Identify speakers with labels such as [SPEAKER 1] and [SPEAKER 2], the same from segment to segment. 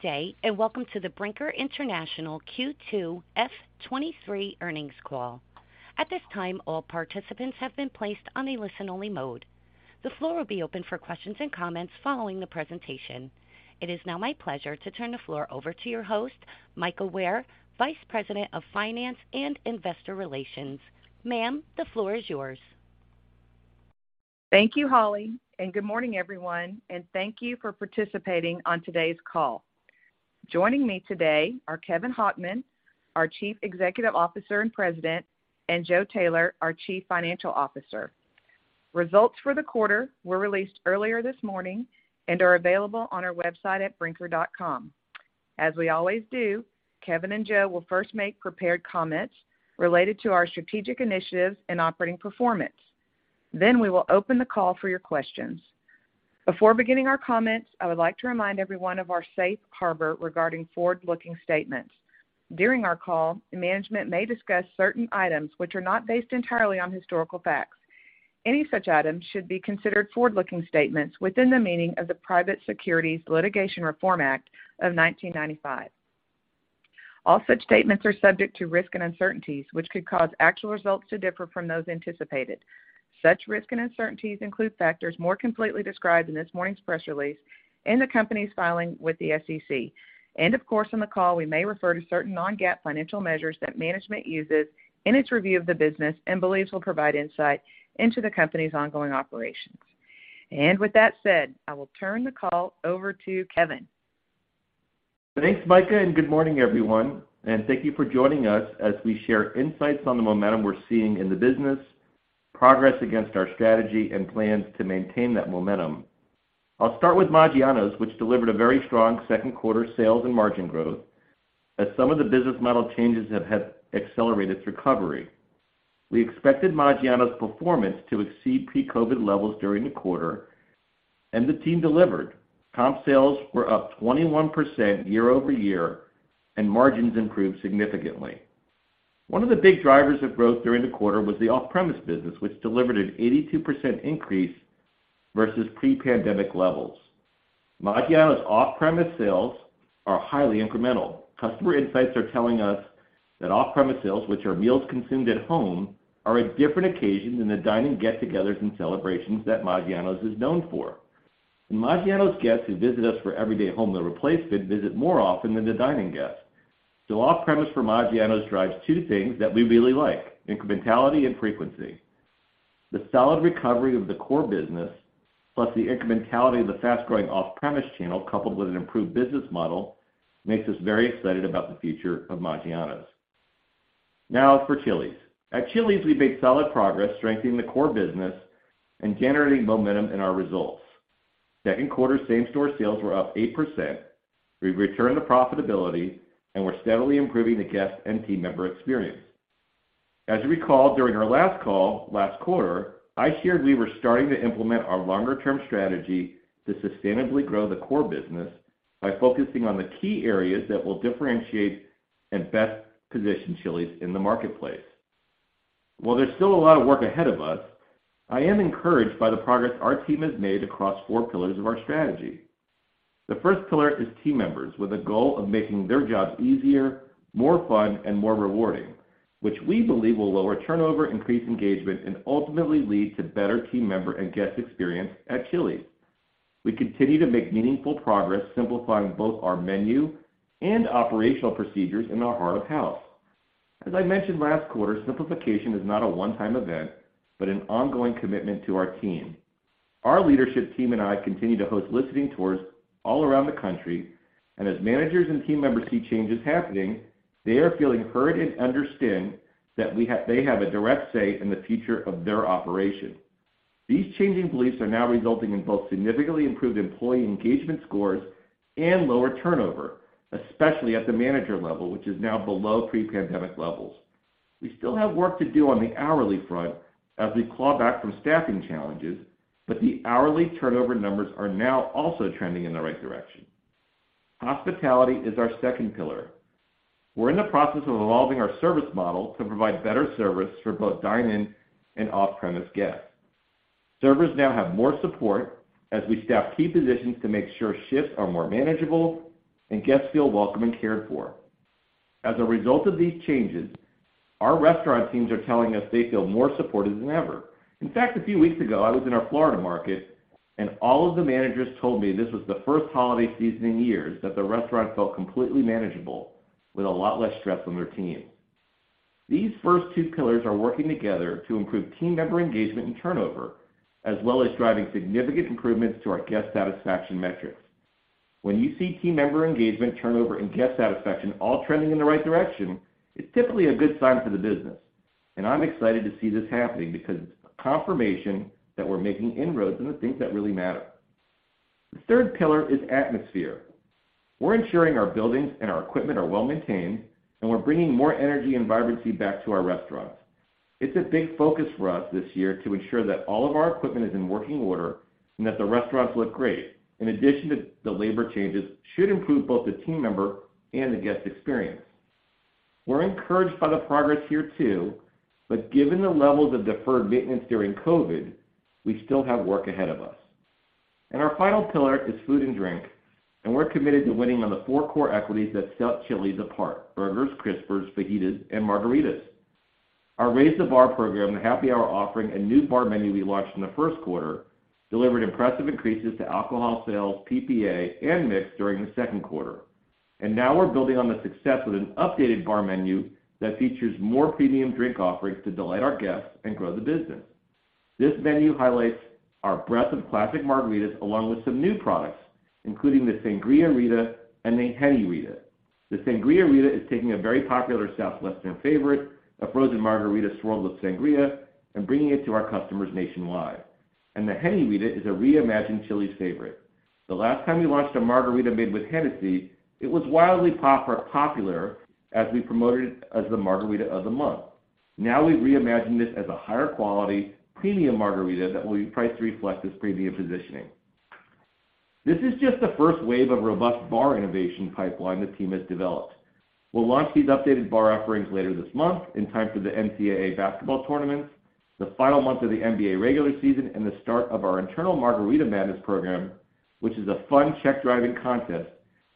[SPEAKER 1] Good day. Welcome to the Brinker International Q2 F23 earnings call. At this time, all participants have been placed on a listen-only mode. The floor will be open for questions and comments following the presentation. It is now my pleasure to turn the floor over to your host, Mika Ware, Vice President of Finance and Investor Relations. Ma'am, the floor is yours.
[SPEAKER 2] Thank you, Holly, and good morning, everyone, and thank you for participating on today's call. Joining me today are Kevin Hochman, our Chief Executive Officer and President, and Joe Taylor, our Chief Financial Officer. Results for the quarter were released earlier this morning and are available on our website at brinker.com. As we always do, Kevin and Joe will first make prepared comments related to our strategic initiatives and operating performance. We will open the call for your questions. Before beginning our comments, I would like to remind everyone of our safe harbor regarding forward-looking statements. During our call, the management may discuss certain items which are not based entirely on historical facts. Any such items should be considered forward-looking statements within the meaning of the Private Securities Litigation Reform Act of 1995. All such statements are subject to risk and uncertainties, which could cause actual results to differ from those anticipated. Such risks and uncertainties include factors more completely described in this morning's press release in the company's filing with the SEC. Of course, on the call, we may refer to certain non-GAAP financial measures that management uses in its review of the business and believes will provide insight into the company's ongoing operations. With that said, I will turn the call over to Kevin.
[SPEAKER 3] Thanks, Mika, good morning, everyone. Thank you for joining us as we share insights on the momentum we're seeing in the business, progress against our strategy, and plans to maintain that momentum. I'll start with Maggiano's, which delivered a very strong Q2 sales and margin growth as some of the business model changes have had accelerated recovery. We expected Maggiano's performance to exceed pre-COVID levels during the quarter, and the team delivered. Comp sales were up 21% year-over-year, and margins improved significantly. One of the big drivers of growth during the quarter was the off-premise business, which delivered an 82% increase versus pre-pandemic levels. Maggiano's off-premise sales are highly incremental. Customer insights are telling us that off-premise sales, which are meals consumed at home, are a different occasion than the dining get-togethers and celebrations that Maggiano's is known for. Maggiano's guests who visit us for everyday home delivery replacement visit more often than the dining guests. Off-premise for Maggiano's drives two things that we really like, incrementality and frequency. The solid recovery of the core business, plus the incrementality of the fast-growing off-premise channel, coupled with an improved business model, makes us very excited about the future of Maggiano's. Now for Chili's. At Chili's, we've made solid progress strengthening the core business and generating momentum in our results. Q2 same-store sales were up 8%. We've returned to profitability, and we're steadily improving the guest and team member experience. As you recall, during our last call last quarter, I shared we were starting to implement our longer-term strategy to sustainably grow the core business by focusing on the key areas that will differentiate and best position Chili's in the marketplace. While there's still a lot of work ahead of us, I am encouraged by the progress our team has made across four pillars of our strategy. The first pillar is team members with a goal of making their jobs easier, more fun, and more rewarding, which we believe will lower turnover, increase engagement, and ultimately lead to better team member and guest experience at Chili's. We continue to make meaningful progress simplifying both our menu and operational procedures in our heart of house. As I mentioned last quarter, simplification is not a one-time event, but an ongoing commitment to our team. Our leadership team and I continue to host listening tours all around the country, and as managers and team members see changes happening, they are feeling heard and understand that they have a direct say in the future of their operation. These changing beliefs are now resulting in both significantly improved employee engagement scores and lower turnover, especially at the manager level, which is now below pre-pandemic levels. We still have work to do on the hourly front as we claw back from staffing challenges, but the hourly turnover numbers are now also trending in the right direction. Hospitality is our second pillar. We're in the process of evolving our service model to provide better service for both dine-in and off-premise guests. Servers now have more support as we staff key positions to make sure shifts are more manageable and guests feel welcome and cared for. As a result of these changes, our restaurant teams are telling them they feel more supported than ever. In fact, a few weeks ago, I was in our Florida market and all of the managers told me this was the first holiday season in years that the restaurant felt completely manageable with a lot less stress on their team. These first two pillars are working together to improve team member engagement and turnover, as well as driving significant improvements to our guest satisfaction metrics. When you see team member engagement, turnover, and guest satisfaction all trending in the right direction, it's typically a good sign for the business, and I'm excited to see this happening because it's a confirmation that we're making inroads in the things that really matter. The third pillar is atmosphere. We're ensuring our buildings and our equipment are well-maintained, and we're bringing more energy and vibrancy back to our restaurants. It's a big focus for us this year to ensure that all of our equipment is in working order and that the restaurants look great. In addition to the labor changes should improve both the team member and the guest experience. We're encouraged by the progress here too, but given the levels of deferred maintenance during COVID, we still have work ahead of us. Our final pillar is food and drink, and we're committed to winning on the four core equities that set Chili's apart: burgers, Crispers, fajitas, and margaritas. Our Raise the Bar program, the happy hour offering, a new bar menu we launched in the Q1 delivered impressive increases to alcohol sales, PPA, and mix during the Q2. Now we're building on the success with an updated bar menu that features more premium drink offerings to delight our guests and grow the business. This menu highlights our breadth of classic margaritas, along with some new products, including the Sangriarita and the Hennyrita. The Sangriarita is taking a very popular Southwestern favorite, a frozen margarita swirled with sangria, and bringing it to our customers nationwide. The Hennyrita is a reimagined Chili's favorite. The last time we launched a margarita made with Hennessy, it was wildly popular as we promoted it as the margarita of the month. Now we've reimagined this as a higher quality premium margarita that will be priced to reflect this premium positioning. This is just the first wave of robust bar innovation pipeline the team has developed. We'll launch these updated bar offerings later this month in time for the NCAA basketball tournaments, the final month of the NBA regular season, and the start of our internal Margarita Madness program, which is a fun check-driving contest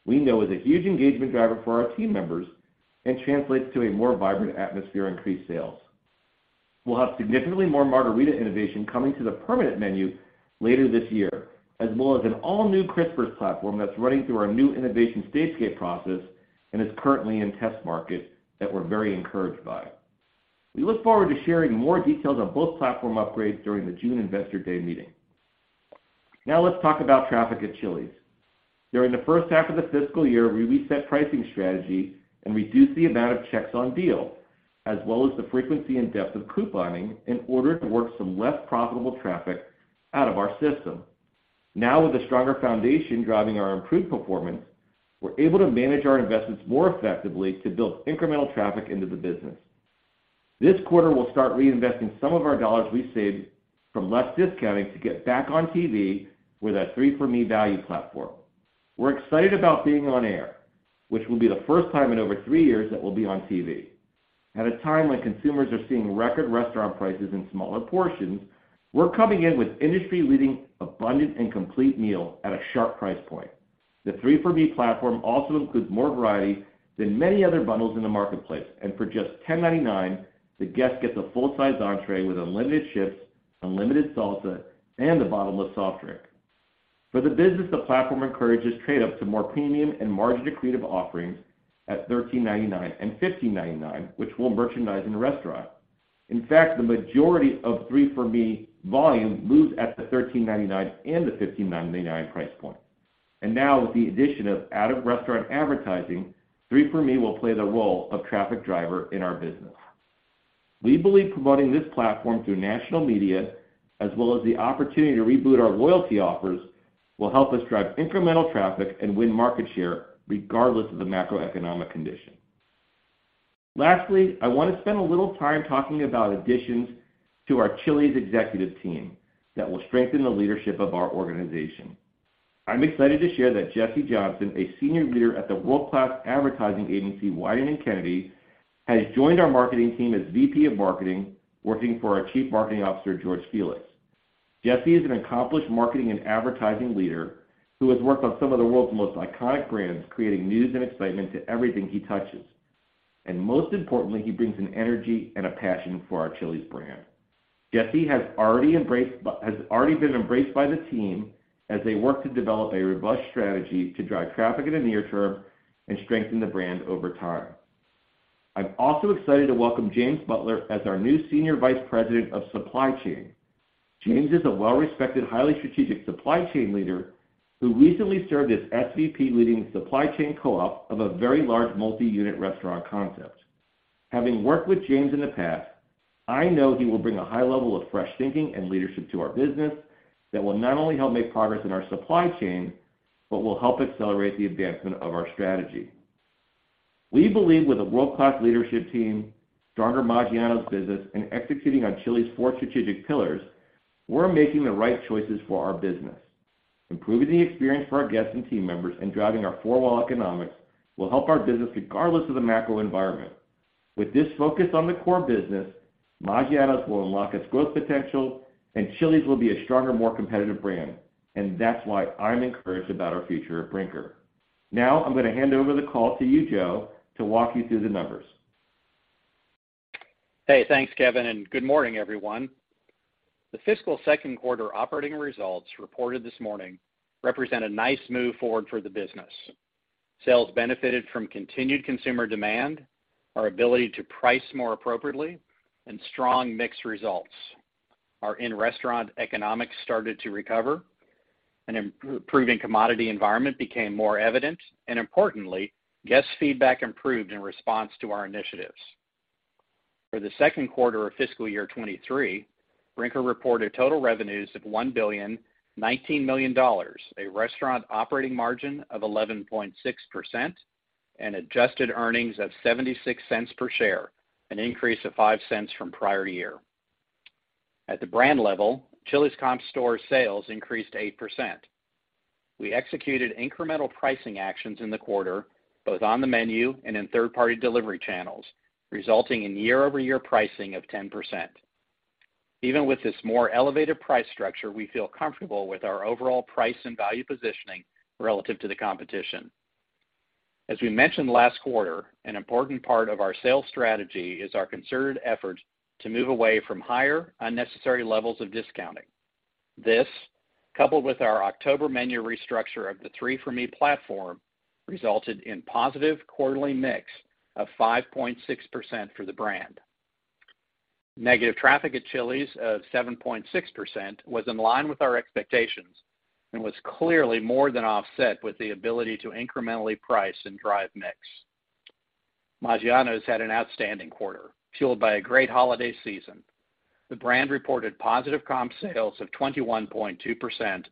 [SPEAKER 3] we know is a huge engagement driver for our team members and translates to a more vibrant atmosphere, increased sales. We'll have significantly more margarita innovation coming to the permanent menu later this year, as well as an all-new Crispers platform that's running through our new innovation stage gate process and is currently in test market that we're very encouraged by. We look forward to sharing more details on both platform upgrades during the June Investor Day meeting. Let's talk about traffic at Chili's. During the H1 of the FY, we reset pricing strategy and reduced the amount of checks on deal, as well as the frequency and depth of couponing in order to work some less profitable traffic out of our system. Now, with a stronger foundation driving our improved performance, we're able to manage our investments more effectively to build incremental traffic into the business. This quarter, we'll start reinvesting some of our dollars we saved from less discounting to get back on T.V. with our Three For Me value platform. We're excited about being on air, which will be the first time in over three years that we'll be on T.V. At a time when consumers are seeing record restaurant prices and smaller portions, we're coming in with industry-leading abundant and complete meal at a sharp price point. The Three For Me platform also includes more variety than many other bundles in the marketplace. For just $10.99, the guest gets a full-size entree with unlimited chips, unlimited salsa, and a bottomless soft drink. For the business, the platform encourages trade-ups to more premium and margin-accretive offerings at $13.99 and $15.99, which we'll merchandise in the restaurant. In fact, the majority of Three For Me volume moves at the $13.99 and the $15.99 price point. Now, with the addition of out-of-restaurant advertising, Three For Me will play the role of traffic driver in our business. We believe promoting this platform through national media, as well as the opportunity to reboot our loyalty offers, will help us drive incremental traffic and win market share regardless of the macroeconomic condition. Lastly, I wanna spend a little time talking about additions to our Chili's executive team that will strengthen the leadership of our organization. I'm excited to share that Jesse Johnson, a senior leader at the world-class advertising agency Wieden+Kennedy, has joined our marketing team as VP of Marketing, working for our Chief Marketing Officer, George Felix. Jesse is an accomplished marketing and advertising leader who has worked on some of the world's most iconic brands, creating news and excitement to everything he touches. Most importantly, he brings an energy and a passion for our Chili's brand. Jesse has already been embraced by the team as they work to develop a robust strategy to drive traffic in the near term and strengthen the brand over time. I'm also excited to welcome James Butler as our new Senior Vice President of Supply Chain. James is a well-respected, highly strategic supply chain leader who recently served as SVP, leading the supply chain co-op of a very large multi-unit restaurant concept. Having worked with James in the past, I know he will bring a high level of fresh thinking and leadership to our business that will not only help make progress in our supply chain, but will help accelerate the advancement of our strategy. We believe with a world-class leadership team, stronger Maggiano's business, and executing on Chili's four strategic pillars, we're making the right choices for our business. Improving the experience for our guests and team members and driving our four-wall economics will help our business regardless of the macro environment. With this focus on the core business, Maggiano's will unlock its growth potential, and Chili's will be a stronger, more competitive brand. That's why I'm encouraged about our future at Brinker. I'm gonna hand over the call to you, Joe, to walk you through the numbers.
[SPEAKER 4] Hey, thanks, Kevin, and good morning, everyone. The fiscal Q2 operating results reported this morning represent a nice move forward for the business. Sales benefited from continued consumer demand, our ability to price more appropriately, and strong mix results. Our in-restaurant economics started to recover, an improving commodity environment became more evident, and importantly, guest feedback improved in response to our initiatives. For the Q2 of FY 2023, Brinker reported total revenues of $1.019 billion, a restaurant operating margin of 11.6%, and adjusted earnings of $0.76 per share, an increase of $0.05 from prior year. At the brand level, Chili's comp store sales increased 8%. We executed incremental pricing actions in the quarter, both on the menu and in third-party delivery channels, resulting in year-over-year pricing of 10%. Even with this more elevated price structure, we feel comfortable with our overall price and value positioning relative to the competition. As we mentioned last quarter, an important part of our sales strategy is our concerted efforts to move away from higher, unnecessary levels of discounting. This, coupled with our October menu restructure of the Three For Me platform, resulted in positive quarterly mix of 5.6% for the brand. Negative traffic at Chili's of 7.6% was in line with our expectations and was clearly more than offset with the ability to incrementally price and drive mix. Maggiano's had an outstanding quarter, fueled by a great holiday season. The brand reported positive comp sales of 21.2%,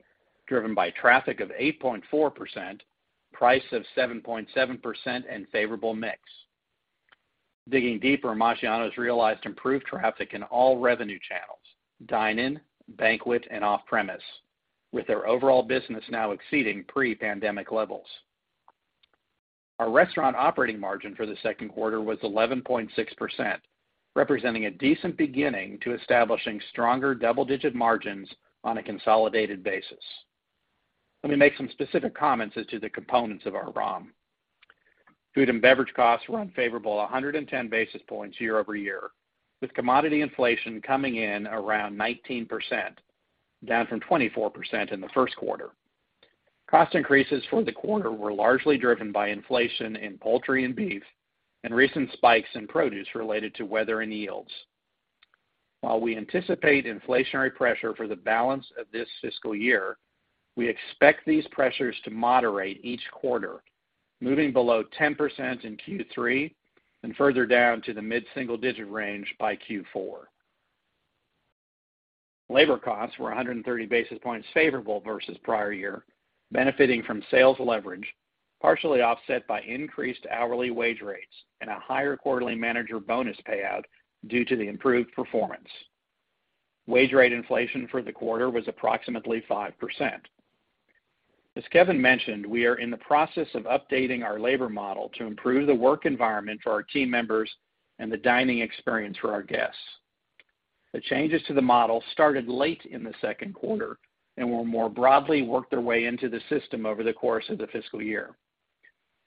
[SPEAKER 4] driven by traffic of 8.4%, price of 7.7%, and favorable mix. Digging deeper, Maggiano's realized improved traffic in all revenue channels, dine-in, banquet, and off-premise, with their overall business now exceeding pre-pandemic levels. Our restaurant operating margin for the Q2 was 11.6%, representing a decent beginning to establishing stronger double-digit margins on a consolidated basis. Let me make some specific comments as to the components of our ROM. Food and beverage costs were unfavorable 110 basis points year-over-year, with commodity inflation coming in around 19%, down from 24% in the Q1. Cost increases for the quarter were largely driven by inflation in poultry and beef and recent spikes in produce related to weather and yields. While we anticipate inflationary pressure for the balance of this FY, we expect these pressures to moderate each quarter, moving below 10% in Q3 and further down to the mid-single digit range by Q4. Labor costs were 130 basis points favorable versus prior year, benefiting from sales leverage, partially offset by increased hourly wage rates and a higher quarterly manager bonus payout due to the improved performance. Wage rate inflation for the quarter was approximately 5%. As Kevin mentioned, we are in the process of updating our labor model to improve the work environment for our team members and the dining experience for our guests. The changes to the model started late in the Q2 and will more broadly work their way into the system over the course of the fiscal year.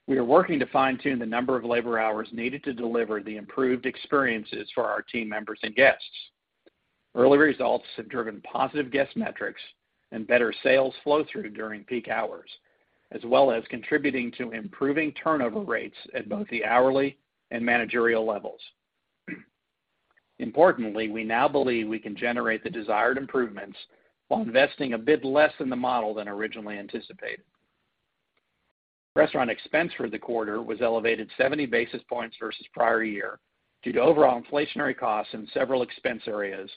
[SPEAKER 4] We are working to fine-tune the number of labor hours needed to deliver the improved experiences for our team members and guests. Early results have driven positive guest metrics and better sales flow through during peak hours, as well as contributing to improving turnover rates at both the hourly and managerial levels. Importantly, we now believe we can generate the desired improvements while investing a bit less in the model than originally anticipated. Restaurant expense for the quarter was elevated 70 basis points versus prior year due to overall inflationary costs in several expense areas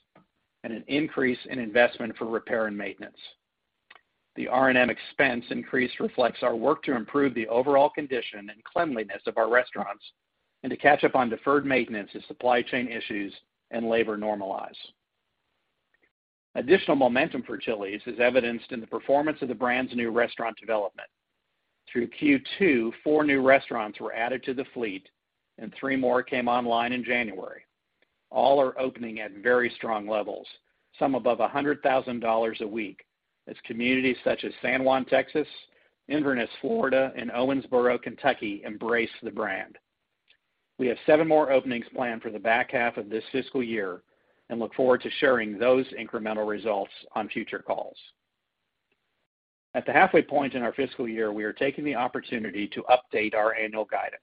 [SPEAKER 4] and an increase in investment for repair and maintenance. The R&M expense increase reflects our work to improve the overall condition and cleanliness of our restaurants and to catch up on deferred maintenance as supply chain issues and labor normalize. Additional momentum for Chili's is evidenced in the performance of the brand's new restaurant development. Through Q2, four new restaurants were added to the fleet and three more came online in January. All are opening at very strong levels, some above $100,000 a week, as communities such as San Juan, Texas, Inverness, Florida, and Owensboro, Kentucky embrace the brand. We have seven more openings planned for the back half of this FY and look forward to sharing those incremental results on future calls. At the halfway point in our FY, we are taking the opportunity to update our annual guidance.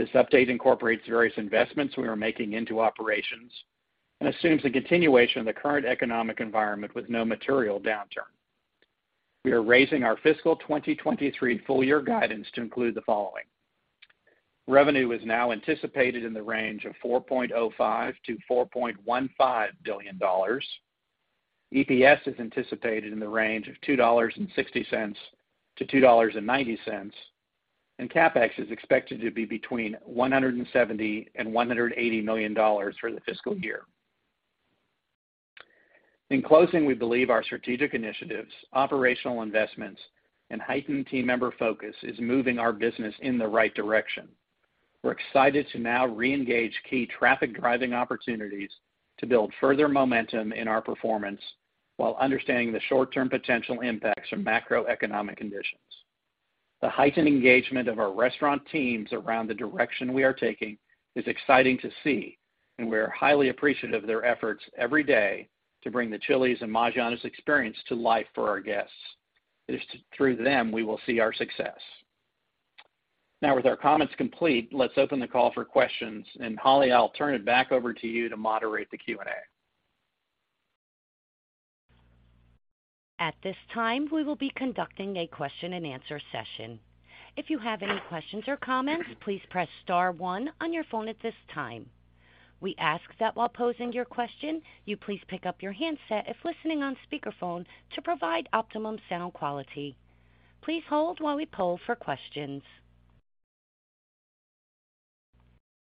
[SPEAKER 4] This update incorporates various investments we are making into operations and assumes the continuation of the current economic environment with no material downturn. We are raising our fiscal 2023 full year guidance to include the following. Revenue is now anticipated in the range of $4.05 billion-$4.15 billion. EPS is anticipated in the range of $2.60-$2.90. CapEx is expected to be between $170 million and $180 million for the FY. In closing, we believe our strategic initiatives, operational investments, and heightened team member focus is moving our business in the right direction. We're excited to now re-engage key traffic-driving opportunities to build further momentum in our performance while understanding the short-term potential impacts from macroeconomic conditions. The heightened engagement of our restaurant teams around the direction we are taking is exciting to see, and we are highly appreciative of their efforts every day to bring the Chili's and Maggiano's experience to life for our guests. It is through them we will see our success. Now with our comments complete, let's open the call for questions. Holly, I'll turn it back over to you to moderate the Q&A.
[SPEAKER 1] At this time, we will be conducting a question-and-answer session. If you have any questions or comments, please press star 1 on your phone at this time. We ask that while posing your question, you please pick up your handset if listening on speakerphone to provide optimum sound quality. Please hold while we poll for questions.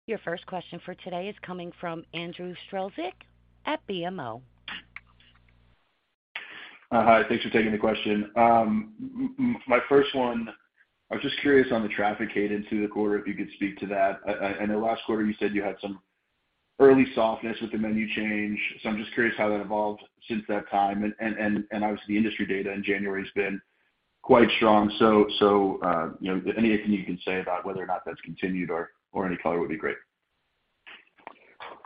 [SPEAKER 1] Your first question for today is coming from Andrew Strelzik at BMO.
[SPEAKER 5] Hi, thanks for taking the question. My first one, I was just curious on the traffic cadence through the quarter, if you could speak to that. I know last quarter you said you had some early softness with the menu change, so I'm just curious how that evolved since that time. Obviously, industry data in January has been quite strong. You know, anything you can say about whether or not that's continued or any color would be great.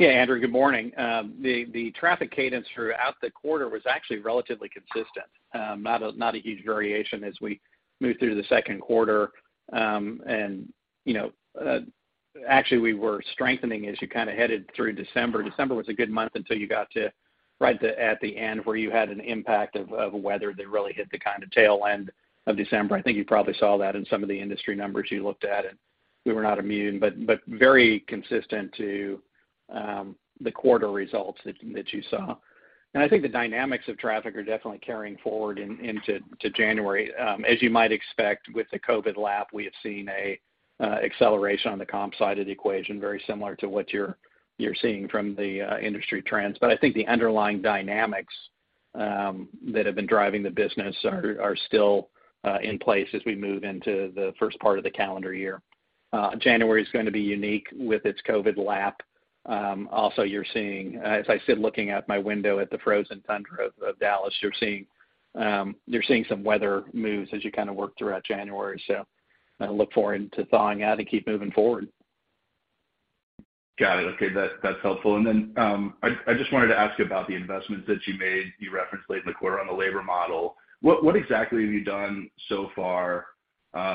[SPEAKER 4] Yeah, Andrew, good morning. The traffic cadence throughout the quarter was actually relatively consistent. Not a huge variation as we moved through the Q2. You know, actually, we were strengthening as you kind of headed through December. December was a good month until you got to right at the end where you had an impact of weather that really hit the kind of tail end of December. I think you probably saw that in some of the industry numbers you looked at, and we were not immune, but very consistent to the quarter results that you saw. I think the dynamics of traffic are definitely carrying forward into January. As you might expect with the COVID lap, we have seen a acceleration on the comp side of the equation, very similar to what you're seeing from the industry trends. I think the underlying dynamics that have been driving the business are still in place as we move into the first part of the calendar year. January is gonna be unique with its COVID lap. Also you're seeing, as I sit looking out my window at the frozen tundra of Dallas, you're seeing some weather moves as you kind of work throughout January. I look forward to thawing out and keep moving forward.
[SPEAKER 5] Got it. Okay, that's helpful. Then, I just wanted to ask about the investments that you made. You referenced late in the quarter on the labor model. What exactly have you done so far?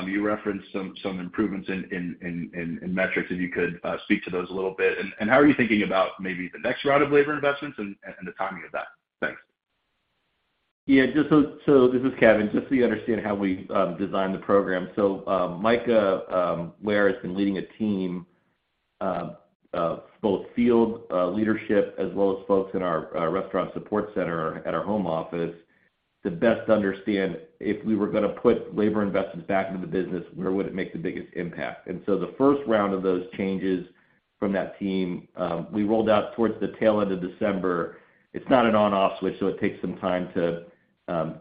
[SPEAKER 5] You referenced some improvements in metrics, if you could, speak to those a little bit. How are you thinking about maybe the next round of labor investments and the timing of that? Thanks.
[SPEAKER 3] Just this is Kevin, just so you understand how we designed the program. Mika Ware has been leading a team of both field leadership as well as folks in our restaurant support center at our home office to best understand if we were gonna put labor investments back into the business, where would it make the biggest impact. The first round of those changes from that team, we rolled out towards the tail end of December. It's not an on/off switch, so it takes some time to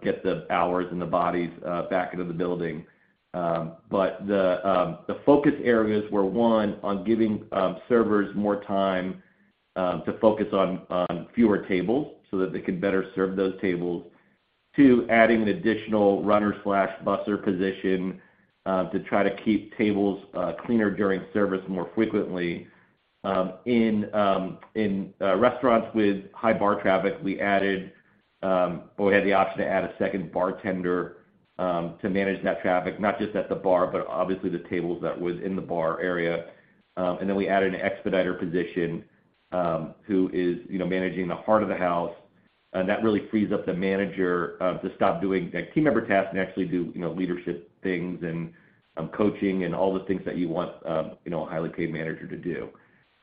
[SPEAKER 3] get the hours and the bodies back into the building. But the focus areas were, one, on giving servers more time to focus on fewer tables so that they could better serve those tables. Two, adding an additional runner/busser position to try to keep tables cleaner during service more frequently. In restaurants with high bar traffic, we had the option to add a second bartender to manage that traffic, not just at the bar, but obviously the tables that was in the bar area. We added an expediter position, who is, you know, managing the heart of the house. That really frees up the manager to stop doing, like, team member tasks and actually do, you know, leadership things and coaching and all the things that you want, you know, a highly paid manager to do.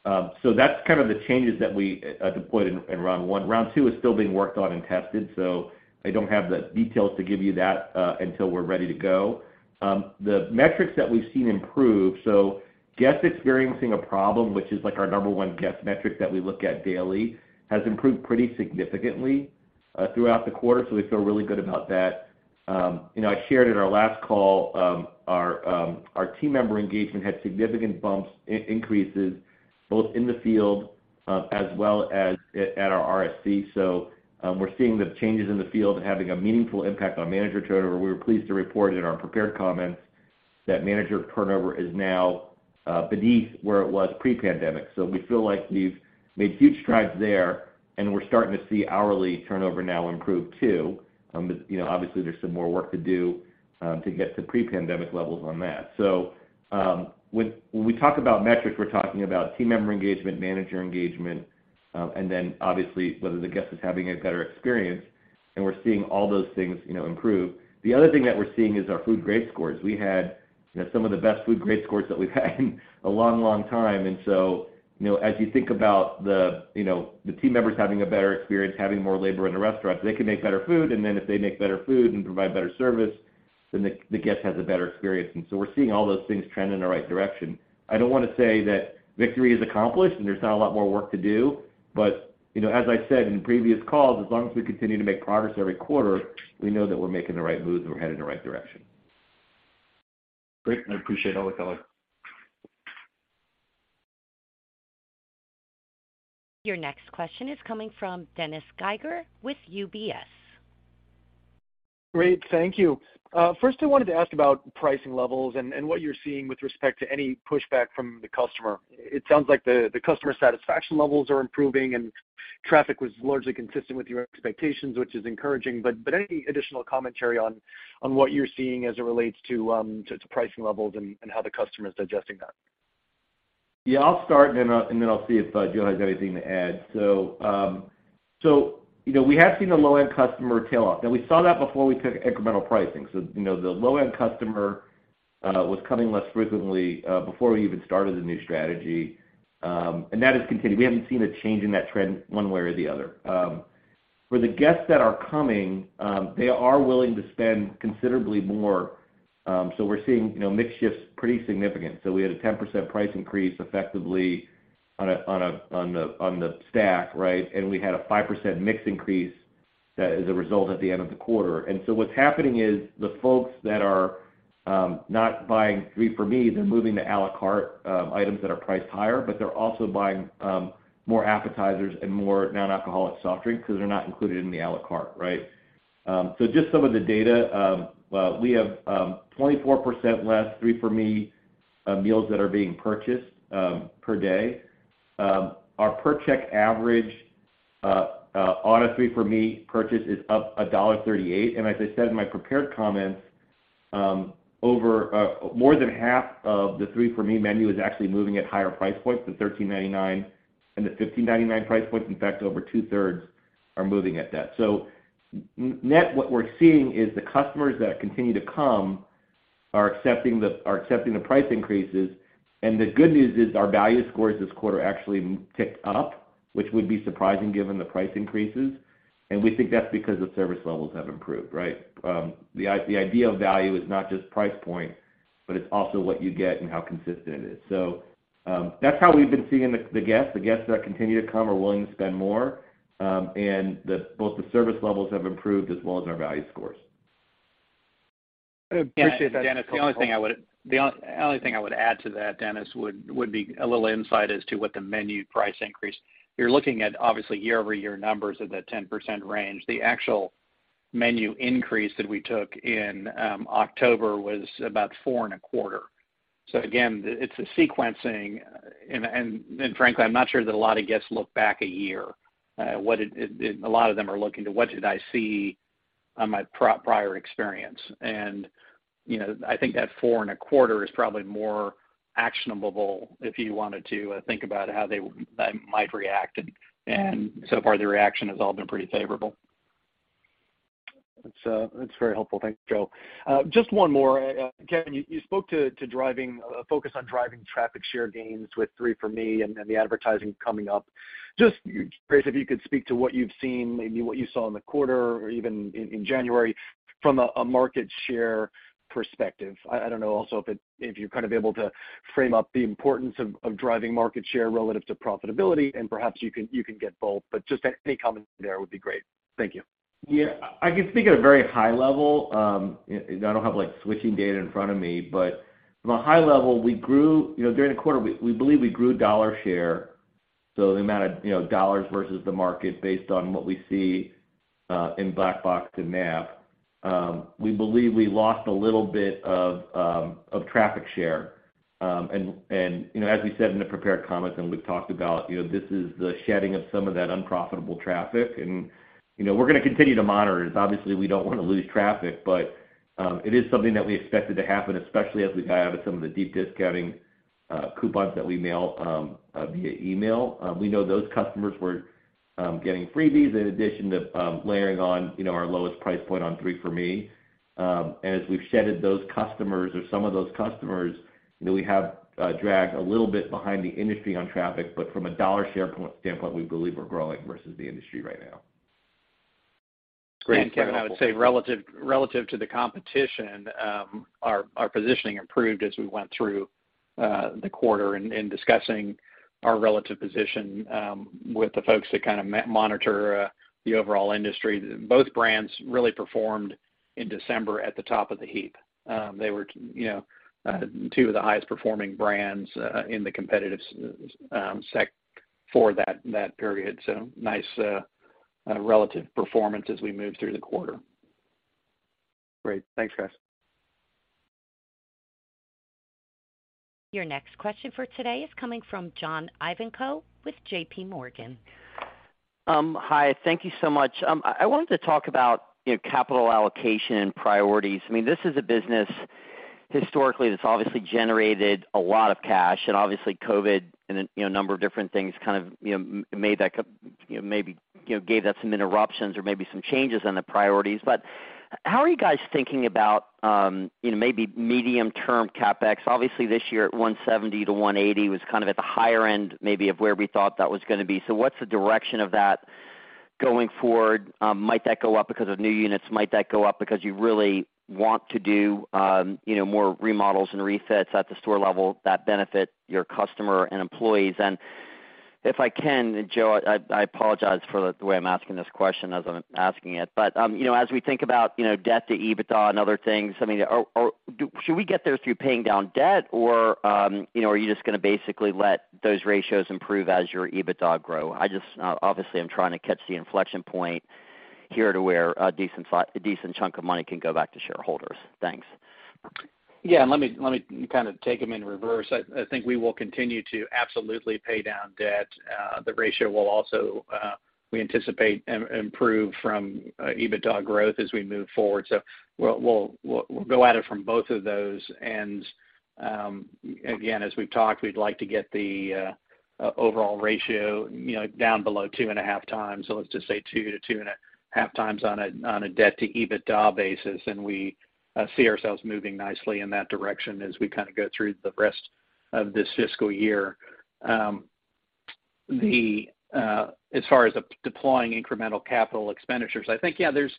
[SPEAKER 3] That's kind of the changes that we deployed in round one. Round two is still being worked on and tested, so I don't have the details to give you that until we're ready to go. The metrics that we've seen improve, so guests experiencing a problem, which is, like, our number one guest metric that we look at daily, has improved pretty significantly throughout the quarter, so we feel really good about that. You know, I shared in our last call, our team member engagement had significant increases both in the field, as well as at our RSC. We're seeing the changes in the field having a meaningful impact on manager turnover. We were pleased to report in our prepared comments that manager turnover is now beneath where it was pre-pandemic. We feel like we've made huge strides there, and we're starting to see hourly turnover now improve too. you know, obviously there's some more work to do to get to pre-pandemic levels on that. When we talk about metrics, we're talking about team member engagement, manager engagement, and then obviously whether the guest is having a better experience, and we're seeing all those things, you know, improve. The other thing that we're seeing is our food grade scores. We had, you know, some of the best food grade scores that we've had in a long, long time. As you think about the, you know, the team members having a better experience, having more labor in the restaurant, they can make better food. If they make better food and provide better service, then the guest has a better experience. We're seeing all those things trend in the right direction. I don't wanna say that victory is accomplished, and there's not a lot more work to do. You know, as I said in previous calls, as long as we continue to make progress every quarter, we know that we're making the right moves and we're headed in the right direction.
[SPEAKER 5] Great. I appreciate all the color.
[SPEAKER 1] Your next question is coming from Dennis Geiger with UBS.
[SPEAKER 6] Great. Thank you. First I wanted to ask about pricing levels and what you're seeing with respect to any pushback from the customer. It sounds like the customer satisfaction levels are improving and traffic was largely consistent with your expectations, which is encouraging. Any additional commentary on what you're seeing as it relates to pricing levels and how the customer is digesting that?
[SPEAKER 3] I'll start and then I'll, and then I'll see if Joe has anything to add. You know, we have seen the low-end customer tail off. We saw that before we took incremental pricing. You know, the low-end customer was coming less frequently before we even started the new strategy. That has continued. We haven't seen a change in that trend one way or the other. For the guests that are coming, they are willing to spend considerably more, so we're seeing, you know, mix shifts pretty significant. We had a 10% price increase effectively on the stack, right? We had a 5% mix increase as a result at the end of the quarter. What's happening is the folks that are not buying Three For Me, they're moving to a la carte items that are priced higher, but they're also buying more appetizers and more non-alcoholic soft drinks because they're not included in the a la carte, right? Just some of the data. We have 24% less Three For Me meals that are being purchased per day. Our per check average on a Three For Me purchase is up $1.38. As I said in my prepared comments, over more than half of the Three For Me menu is actually moving at higher price points, the $13.99 and the $15.99 price points. In fact, over two-thirds are moving at that. Net, what we're seeing is the customers that continue to come are accepting the price increases. The good news is our value scores this quarter actually ticked up, which would be surprising given the price increases. We think that's because the service levels have improved, right? The idea of value is not just price point, but it's also what you get and how consistent it is. That's how we've been seeing the guests. The guests that continue to come are willing to spend more, and both the service levels have improved as well as our value scores.
[SPEAKER 6] I appreciate that.
[SPEAKER 4] Dennis, the only thing I would the only thing I would add to that, Dennis, would be a little insight as to what the menu price increase. You're looking at obviously year-over-year numbers of the 10% range. The actual menu increase that we took in October was about 4.25%. Again, it's a sequencing. Frankly, I'm not sure that a lot of guests look back a year. What A lot of them are looking to what did I see on my prior experience. You know, I think that 4.25% is probably more actionable if you wanted to think about how they might react. So far, the reaction has all been pretty favorable.
[SPEAKER 6] That's, that's very helpful. Thanks, Joe. Just one more. Kevin, you spoke to driving focus on driving traffic share gains with Three For Me and the advertising coming up. Just perhaps if you could speak to what you've seen, maybe what you saw in the quarter or even in January from a market share perspective. I don't know also if you're kind of able to frame up the importance of driving market share relative to profitability, and perhaps you can get both. Just any comment there would be great. Thank you.
[SPEAKER 3] Yeah. I can speak at a very high level. I don't have, like, switching data in front of me. From a high level, we grew, you know, during the quarter, we believe we grew dollar share. The amount of, you know, dollars versus the market based on what we see in Black Box and MAP. We believe we lost a little bit of traffic share. As we said in the prepared comments and we've talked about, you know, this is the shedding of some of that unprofitable traffic. You know, we're gonna continue to monitor it. Obviously, we don't wanna lose traffic, but it is something that we expected to happen, especially as we dive into some of the deep discounting, coupons that we mail via email. We know those customers were getting freebies in addition to layering on, you know, our lowest price point on Three For Me. As we've shedded those customers or some of those customers, you know, we have dragged a little bit behind the industry on traffic. From a dollar share point standpoint, we believe we're growing versus the industry right now.
[SPEAKER 6] Great.
[SPEAKER 4] Kevin, I would say relative to the competition, our positioning improved as we went through the quarter in discussing our relative position with the folks that kinda monitor the overall industry. Both brands really performed in December at the top of the heap. They were, you know, two of the highest performing brands in the competitive sec for that period. Nice relative performance as we move through the quarter.
[SPEAKER 6] Great. Thanks, guys.
[SPEAKER 1] Your next question for today is coming from John Ivankoe with JPMorgan.
[SPEAKER 7] Hi. Thank you so much. I wanted to talk about, you know, capital allocation and priorities. I mean, this is a business historically that's obviously generated a lot of cash and obviously COVID and then, a number of different things kind of gave that some interruptions or maybe some changes in the priorities. How are you guys thinking about, you know, maybe medium-term CapEx? Obviously this year at $170-$180 was kind of at the higher end maybe of where we thought that was gonna be. What's the direction of that going forward? Might that go up because of new units? Might that go up because you really want to do, you know, more remodels and refits at the store level that benefit your customer and employees? If I can, Joe, I apologize for the way I'm asking this question as I'm asking it. You know, as we think about, you know, debt to EBITDA and other things, I mean, should we get there through paying down debt or, you know, are you just gonna basically let those ratios improve as your EBITDA grow? I just, obviously I'm trying to catch the inflection point here to where a decent chunk of money can go back to shareholders. Thanks.
[SPEAKER 4] Yeah. Let me kind of take them in reverse. I think we will continue to absolutely pay down debt. The ratio will also, we anticipate improve from EBITDA growth as we move forward. We'll go at it from both of those. Again, as we've talked, we'd like to get the overall ratio, you know, down below 2.5 times. Let's just say 2 to 2.5 times on a debt-to-EBITDA basis. We see ourselves moving nicely in that direction as we kind of go through the rest of this fiscal year. The as far as deploying incremental capital expenditures, I think, yeah, there's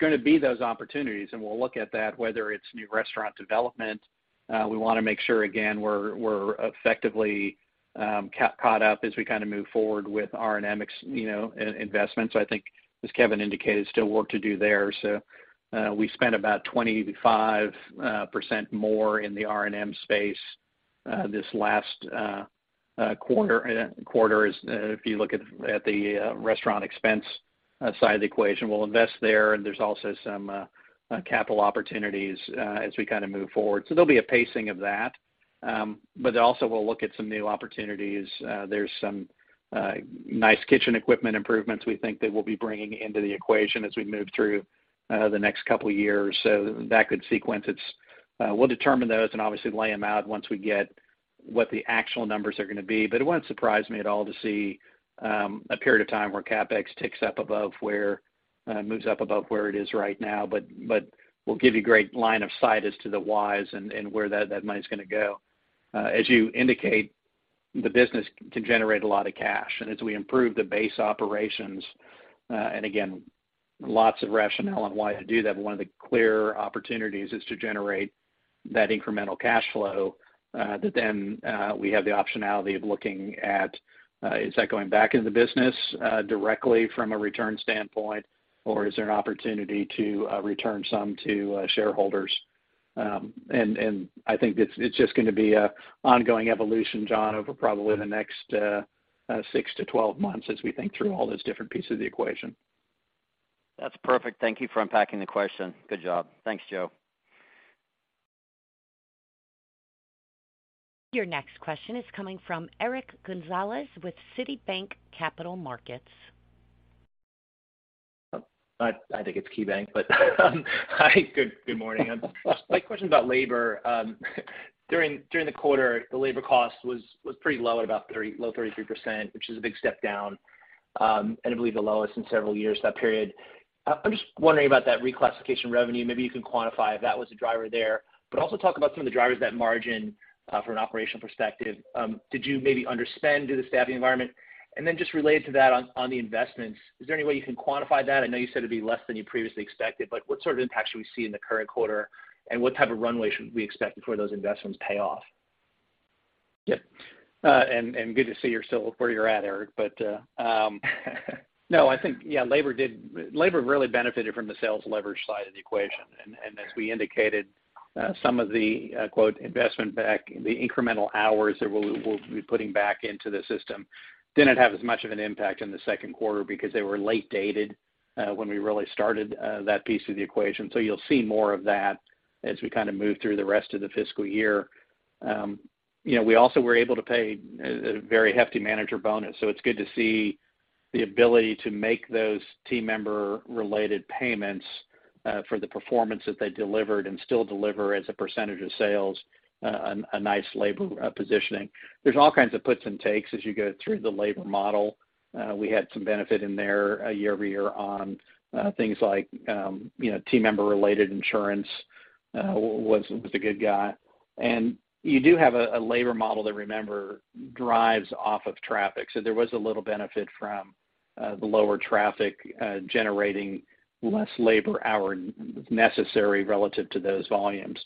[SPEAKER 4] gonna be those opportunities, and we'll look at that, whether it's new restaurant development. We wanna make sure, again, we're effectively caught up as we kinda move forward with R&M, you know, investments. I think, as Kevin indicated, still work to do there. We spent about 25% more in the R&M space this last quarter if you look at the restaurant expense side of the equation. We'll invest there, and there's also some capital opportunities as we kinda move forward. There'll be a pacing of that. Also we'll look at some new opportunities. There's some nice kitchen equipment improvements we think that we'll be bringing into the equation as we move through the next couple years. That could sequence, we'll determine those and obviously lay them out once we get what the actual numbers are gonna be. It wouldn't surprise me at all to see a period of time where CapEx ticks up above where moves up above where it is right now. We'll give you great line of sight as to the whys and where that money's gonna go. As you indicate, the business can generate a lot of cash. As we improve the base operations, and again, lots of rationale on why to do that, but one of the clear opportunities is to generate that incremental cash flow, that then, we have the optionality of looking at, is that going back in the business directly from a return standpoint, or is there an opportunity to return some to shareholders. I think it's just gonna be a ongoing evolution, John, over probably the next 6-12 months as we think through all those different pieces of the equation.
[SPEAKER 7] That's perfect. Thank you for unpacking the question. Good job. Thanks, Joe.
[SPEAKER 1] Your next question is coming from Eric Gonzalez with Citibank Capital Markets.
[SPEAKER 8] I think it's KeyBanc, hi, good morning. My question's about labor. During the quarter, the labor cost was pretty low at about 30, low 33%, which is a big step down, and I believe the lowest in several years, that period. I'm just wondering about that reclassification revenue. Maybe you can quantify if that was a driver there. Talk about some of the drivers of that margin, from an operational perspective. Did you maybe underspend due to the staffing environment? Then just related to that, on the investments, is there any way you can quantify that? I know you said it'd be less than you previously expected, but what sort of impact should we see in the current quarter, and what type of runway should we expect before those investments pay off?
[SPEAKER 4] Yeah. And good to see you're still where you're at, Eric. No, I think, yeah, labor really benefited from the sales leverage side of the equation. As we indicated, some of the, quote, investment back, the incremental hours that we'll be putting back into the system didn't have as much of an impact in the Q2 because they were late dated, when we really started, that piece of the equation. You'll see more of that as we kinda move through the rest of the fiscal year. You know, we also were able to pay a very hefty manager bonus. It's good to see the ability to make those team member related payments for the performance that they delivered and still deliver as a percentage of sales, a nice labor positioning. There's all kinds of puts and takes as you go through the labor model. We had some benefit in there year-over-year on things like, you know, team member related insurance, was a good guy. You do have a labor model that, remember, drives off of traffic. There was a little benefit from the lower traffic, generating less labor hour necessary relative to those volumes.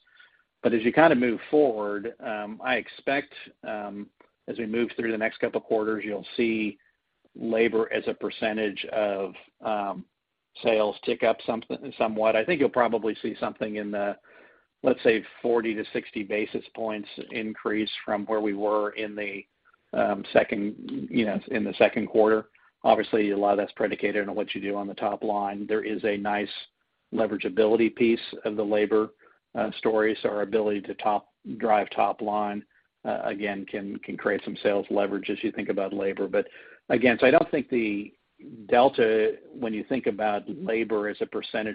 [SPEAKER 4] As you kinda move forward, I expect as we move through the next couple quarters, you'll see labor as a percentage of sales tick up somewhat. I think you'll probably see something in the, let's say, 40-60 basis points increase from where we were in the second, you know, in the Q2. Obviously, a lot of that's predicated on what you do on the top line. There is a nice leverageability piece of the labor story. Our ability to drive top line, again, can create some sales leverage as you think about labor. Again, I don't think the delta, when you think about labor as a %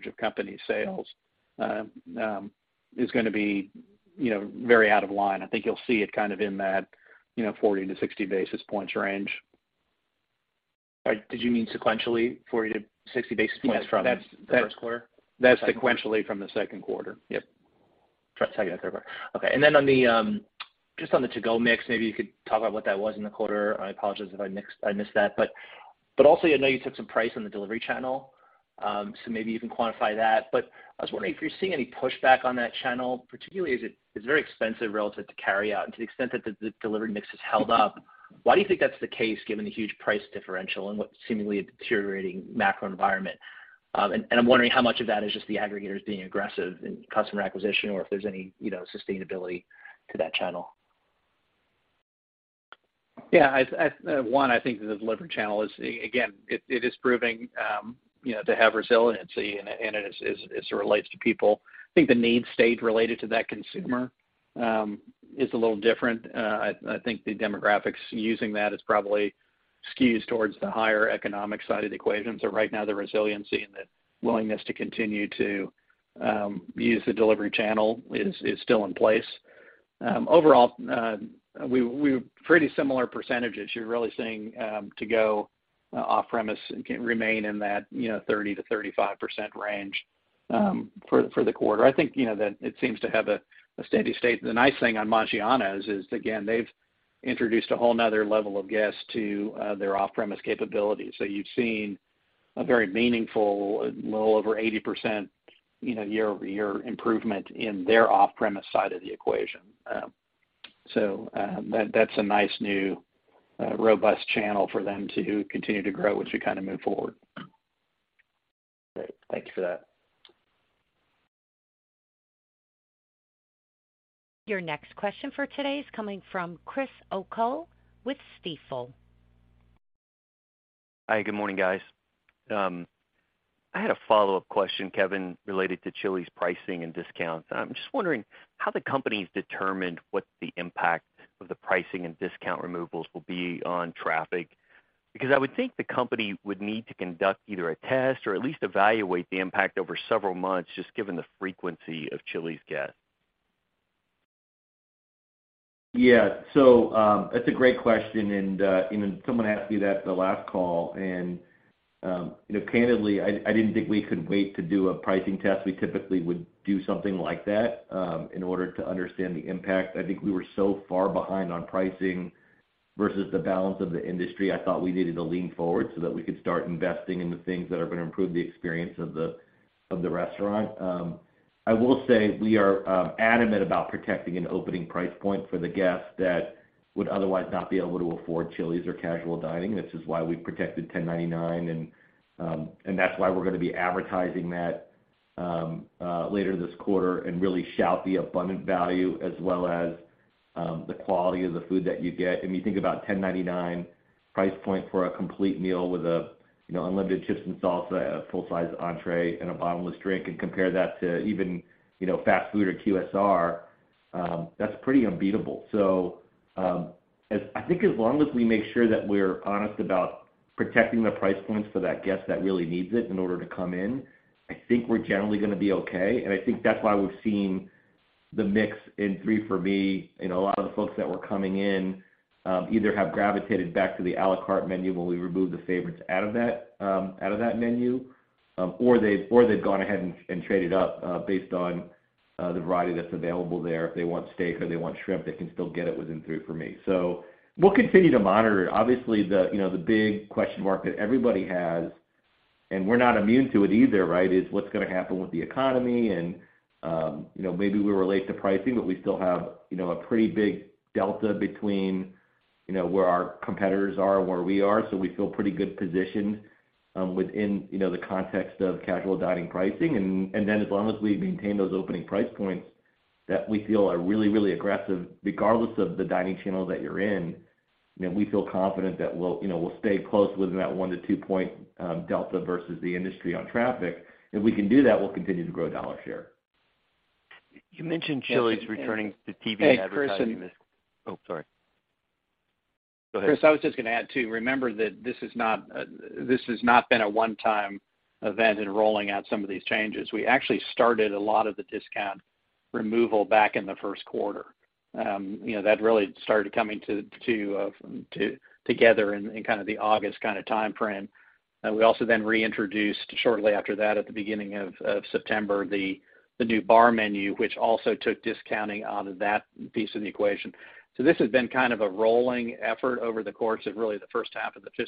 [SPEAKER 4] of company sales, is gonna be, you know, very out of line. I think you'll see it kind of in that, you know, 40-60 basis points range.
[SPEAKER 8] All right. Did you mean sequentially, 40-60 basis points?
[SPEAKER 4] Yeah. That's.
[SPEAKER 8] the Q1?
[SPEAKER 4] That's sequentially from the Q2. Yep.
[SPEAKER 8] Second, Q3. Okay. On the just on the to-go mix, maybe you could talk about what that was in the quarter. I apologize if I missed that. Also, I know you took some price on the delivery channel, maybe you can quantify that. I was wondering if you're seeing any pushback on that channel, particularly as it is very expensive relative to carryout. To the extent that the delivery mix has held up, why do you think that's the case given the huge price differential and what seemingly a deteriorating macro environment? I'm wondering how much of that is just the aggregators being aggressive in customer acquisition or if there's any, you know, sustainability to that channel.
[SPEAKER 4] Yeah. I think the delivery channel is, again, it is proving, you know, to have resiliency, and it is as it relates to people. I think the need state related to that consumer is a little different. I think the demographics using that is probably skews towards the higher economic side of the equation. Right now, the resiliency and the willingness to continue to use the delivery channel is still in place. Overall, we have pretty similar percentages. You're really seeing to-go off-premise can remain in that, you know, 30%-35% range for the quarter. I think, you know, that it seems to have a steady state. The nice thing on Maggiano's is, again, they've introduced a whole nother level of guests to their off-premise capabilities. You've seen a very meaningful, a little over 80%, you know, year-over-year improvement in their off-premise side of the equation. That's a nice new, robust channel for them to continue to grow as we kind of move forward.
[SPEAKER 8] Great. Thank you for that.
[SPEAKER 1] Your next question for today is coming from Chris O'Cull with Stifel.
[SPEAKER 9] Hi, good morning, guys. I had a follow-up question, Kevin, related to Chili's pricing and discounts. I'm just wondering how the company's determined what the impact of the pricing and discount removals will be on traffic. I would think the company would need to conduct either a test or at least evaluate the impact over several months just given the frequency of Chili's guests.
[SPEAKER 3] Yeah. That's a great question, and, you know, someone asked me that at the last call. You know, candidly, I didn't think we could wait to do a pricing test. We typically would do something like that, in order to understand the impact. I think we were so far behind on pricing versus the balance of the industry. I thought we needed to lean forward so that we could start investing in the things that are going to improve the experience of the, of the restaurant. I will say we are, adamant about protecting an opening price point for the guests that would otherwise not be able to afford Chili's or casual dining. This is why we protected $10.99, and that's why we're gonna be advertising that later this quarter and really shout the abundant value as well as the quality of the food that you get. If you think about $10.99 price point for a complete meal with a, you know, unlimited chips and salsa, a full-size entree and a bottomless drink, and compare that to even, you know, fast food or QSR, that's pretty unbeatable. I think as long as we make sure that we're honest about protecting the price points for that guest that really needs it in order to come in, I think we're generally gonna be okay. I think that's why we've seen the mix in Three For Me. You know, a lot of the folks that were coming in, either have gravitated back to the à la carte menu when we removed the favorites out of that menu, or they've gone ahead and traded up based on the variety that's available there. If they want steak or they want shrimp, they can still get it within Three For Me. We'll continue to monitor. Obviously, you know, the big question mark that everybody has, and we're not immune to it either, right, is what's gonna happen with the economy. Maybe we relate to pricing, but we still have, you know, a pretty big delta between, you know, where our competitors are and where we are. We feel pretty good positioned within, you know, the context of casual dining pricing. As long as we maintain those opening price points that we feel are really, really aggressive, regardless of the dining channel that you're in, you know, we feel confident that we'll stay close within that one to two point delta versus the industry on traffic. If we can do that, we'll continue to grow dollar share.
[SPEAKER 9] You mentioned Chili's returning to TV advertising.
[SPEAKER 4] Hey, Chris.
[SPEAKER 9] Oh, sorry. Go ahead.
[SPEAKER 4] Chris, I was just gonna add, too, remember that this is not, this has not been a one-time event in rolling out some of these changes. We actually started a lot of the discount removal back in the Q1. You know, that really started coming together in kind of the August kind of timeframe. We also then reintroduced shortly after that at the beginning of September, the new bar menu, which also took discounting out of that piece of the equation. This has been kind of a rolling effort over the course of really the H1 of the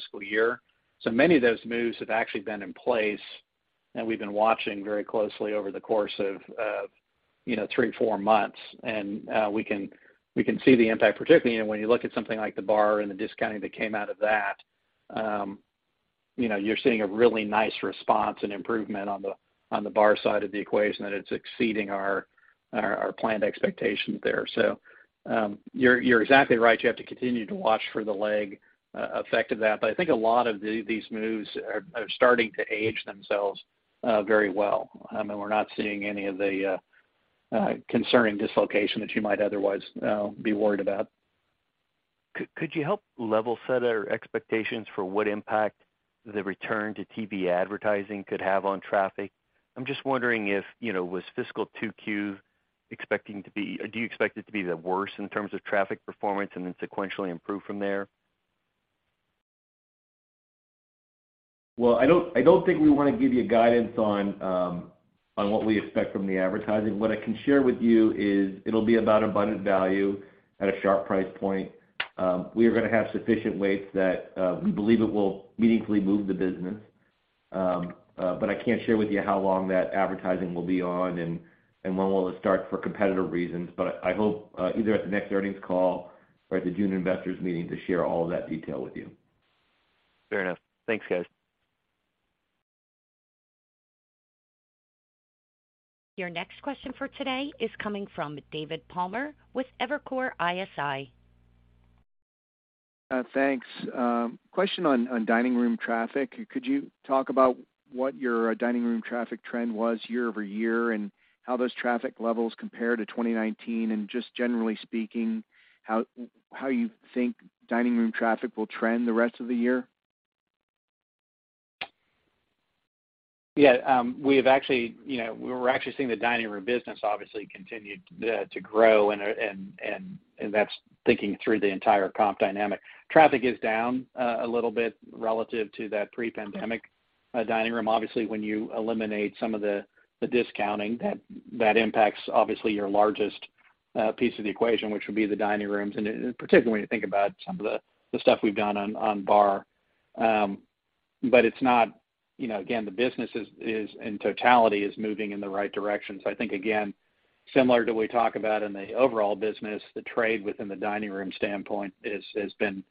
[SPEAKER 4] FY. Many of those moves have actually been in place, and we've been watching very closely over the course of, you know, three, four months. We can see the impact, particularly, you know, when you look at something like the bar and the discounting that came out of that, you know, you're seeing a really nice response and improvement on the bar side of the equation, and it's exceeding our planned expectations there. You're exactly right. You have to continue to watch for the lag effect of that. I think a lot of these moves are starting to age themselves very well. We're not seeing any of the concerning dislocation that you might otherwise be worried about.
[SPEAKER 9] Could you help level set our expectations for what impact the return to TV advertising could have on traffic? I'm just wondering if, you know, do you expect it to be the worst in terms of traffic performance and then sequentially improve from there?
[SPEAKER 3] Well, I don't think we wanna give you guidance on what we expect from the advertising. What I can share with you is it'll be about abundant value at a sharp price point. We are gonna have sufficient weights that we believe it will meaningfully move the business. I can't share with you how long that advertising will be on and when will it start for competitive reasons. I hope, either at the next earnings call or at the June investors meeting to share all of that detail with you.
[SPEAKER 9] Fair enough. Thanks, guys.
[SPEAKER 1] Your next question for today is coming from David Palmer with Evercore ISI.
[SPEAKER 10] Thanks. Question on dining room traffic. Could you talk about what your dining room traffic trend was year-over-year, and how those traffic levels compare to 2019 and just generally speaking, how you think dining room traffic will trend the rest of the year?
[SPEAKER 4] We've actually, you know, we're actually seeing the dining room business obviously continue to grow and that's thinking through the entire comp dynamic. Traffic is down a little bit relative to that pre-pandemic dining room. Obviously, when you eliminate some of the discounting that impacts obviously your largest piece of the equation, which would be the dining rooms, and particularly when you think about some of the stuff we've done on bar. It's not, you know, again, the business is in totality is moving in the right direction. I think again, similar to what we talk about in the overall business, the trade within the dining room standpoint has been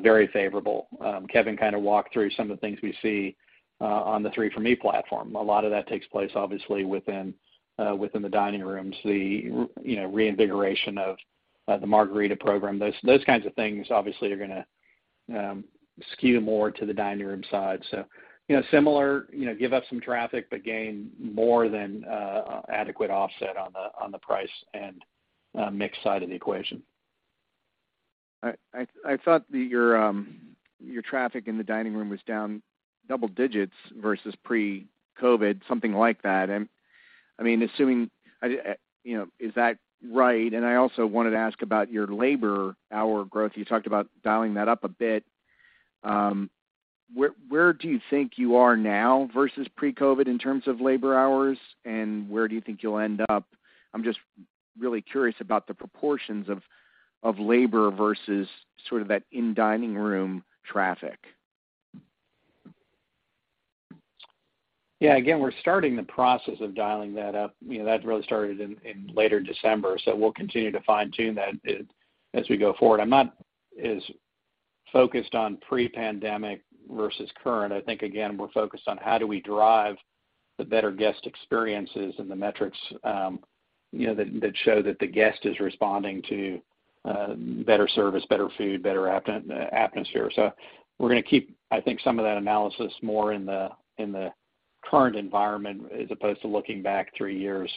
[SPEAKER 4] very favorable. Kevin kind of walked through some of the things we see on the Three For Me platform. A lot of that takes place obviously within the dining rooms. The, you know, reinvigoration of the margarita program, those kinds of things obviously are gonna skew more to the dining room side. You know, similar, you know, give up some traffic, but gain more than adequate offset on the price and mix side of the equation.
[SPEAKER 10] I thought that your traffic in the dining room was down double digits versus pre-COVID, something like that. I mean, assuming, you know, is that right? I also wanted to ask about your labor hour growth. You talked about dialing that up a bit. Where do you think you are now versus pre-COVID in terms of labor hours, and where do you think you'll end up? I'm just really curious about the proportions of labor versus sort of that in dining room traffic.
[SPEAKER 4] Yeah, again, we're starting the process of dialing that up. You know, that really started in later December. We'll continue to fine-tune that as we go forward. I'm not as focused on pre-pandemic versus current. I think, again, we're focused on how do we drive the better guest experiences and the metrics, you know, that show that the guest is responding to better service, better food, better atmosphere. We're gonna keep, I think, some of that analysis more in the current environment as opposed to looking back three years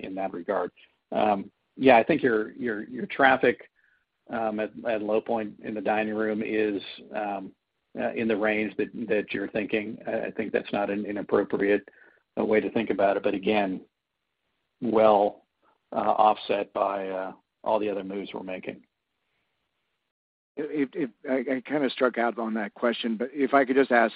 [SPEAKER 4] in that regard. Yeah, I think your traffic at low point in the dining room is in the range that you're thinking. I think that's not an inappropriate way to think about it, but again, well, offset by, all the other moves we're making.
[SPEAKER 10] If I kind of struck out on that question, but if I could just ask,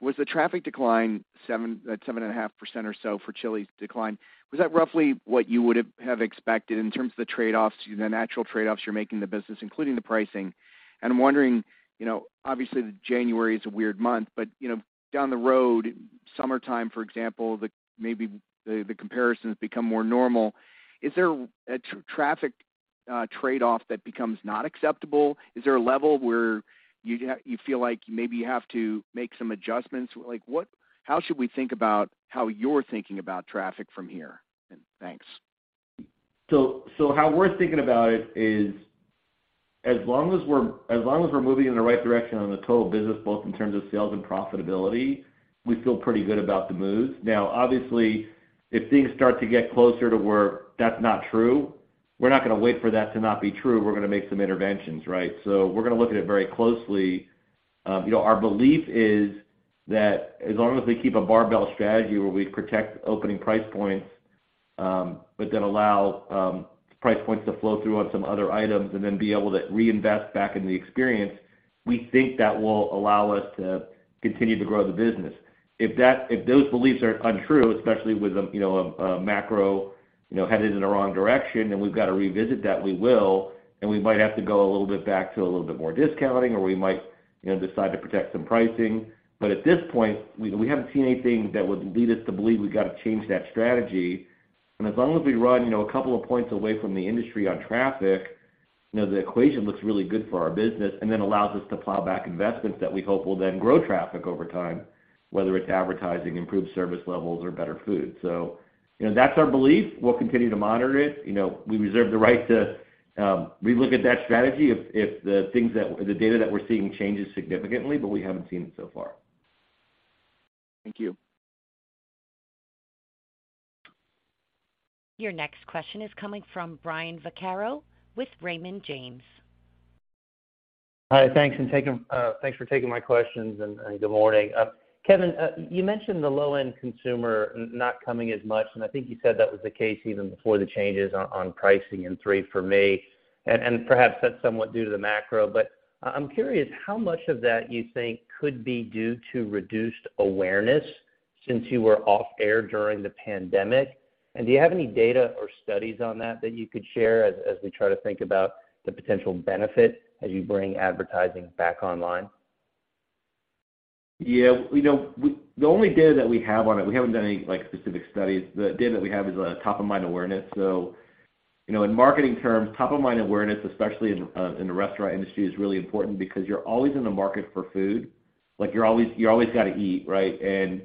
[SPEAKER 10] was the traffic decline seven, that 7.5% or so for Chili's decline, was that roughly what you would have expected in terms of the trade-offs, the natural trade-offs you're making in the business, including the pricing? I'm wondering, you know, obviously January is a weird month, but, you know, down the road, summertime, for example, the maybe the comparisons become more normal. Is there a traffic trade-off that becomes not acceptable? Is there a level where you feel like maybe you have to make some adjustments? Like, how should we think about how you're thinking about traffic from here? Thanks.
[SPEAKER 3] How we're thinking about it is, as long as we're moving in the right direction on the total business, both in terms of sales and profitability, we feel pretty good about the moves. Obviously, if things start to get closer to where that's not true, we're not gonna wait for that to not be true. We're gonna make some interventions, right? We're gonna look at it very closely. you know, our belief is that as long as we keep a barbell strategy where we protect opening price points, but then allow price points to flow through on some other items and then be able to reinvest back in the experience, we think that will allow us to continue to grow the business. If those beliefs are untrue, especially with, you know, a macro, you know, headed in the wrong direction and we've got to revisit that, we will, and we might have to go a little bit back to a little bit more discounting or we might, you know, decide to protect some pricing. At this point, we haven't seen anything that would lead us to believe we got to change that strategy. As long as we run, you know, a couple of points away from the industry on traffic, you know, the equation looks really good for our business then allows us to plow back investments that we hope will then grow traffic over time, whether it's advertising, improved service levels or better food. You know, that's our belief. We'll continue to monitor it. You know, we reserve the right to relook at that strategy if the data that we're seeing changes significantly, but we haven't seen it so far.
[SPEAKER 10] Thank you.
[SPEAKER 1] Your next question is coming from Brian Vaccaro with Raymond James.
[SPEAKER 11] Hi, thanks, and thanks for taking my questions, and good morning. Kevin, you mentioned the low-end consumer not coming as much, and I think you said that was the case even before the changes on pricing in Three For Me. Perhaps that's somewhat due to the macro, but I'm curious how much of that you think could be due to reduced awareness since you were off air during the pandemic. Do you have any data or studies on that that you could share as we try to think about the potential benefit as you bring advertising back online?
[SPEAKER 3] You know, the only data that we have on it, we haven't done any like, specific studies. The data that we have is a top-of-mind awareness. You know, in marketing terms, top-of-mind awareness, especially in the restaurant industry, is really important because you're always in the market for food. Like, you always gotta eat, right? In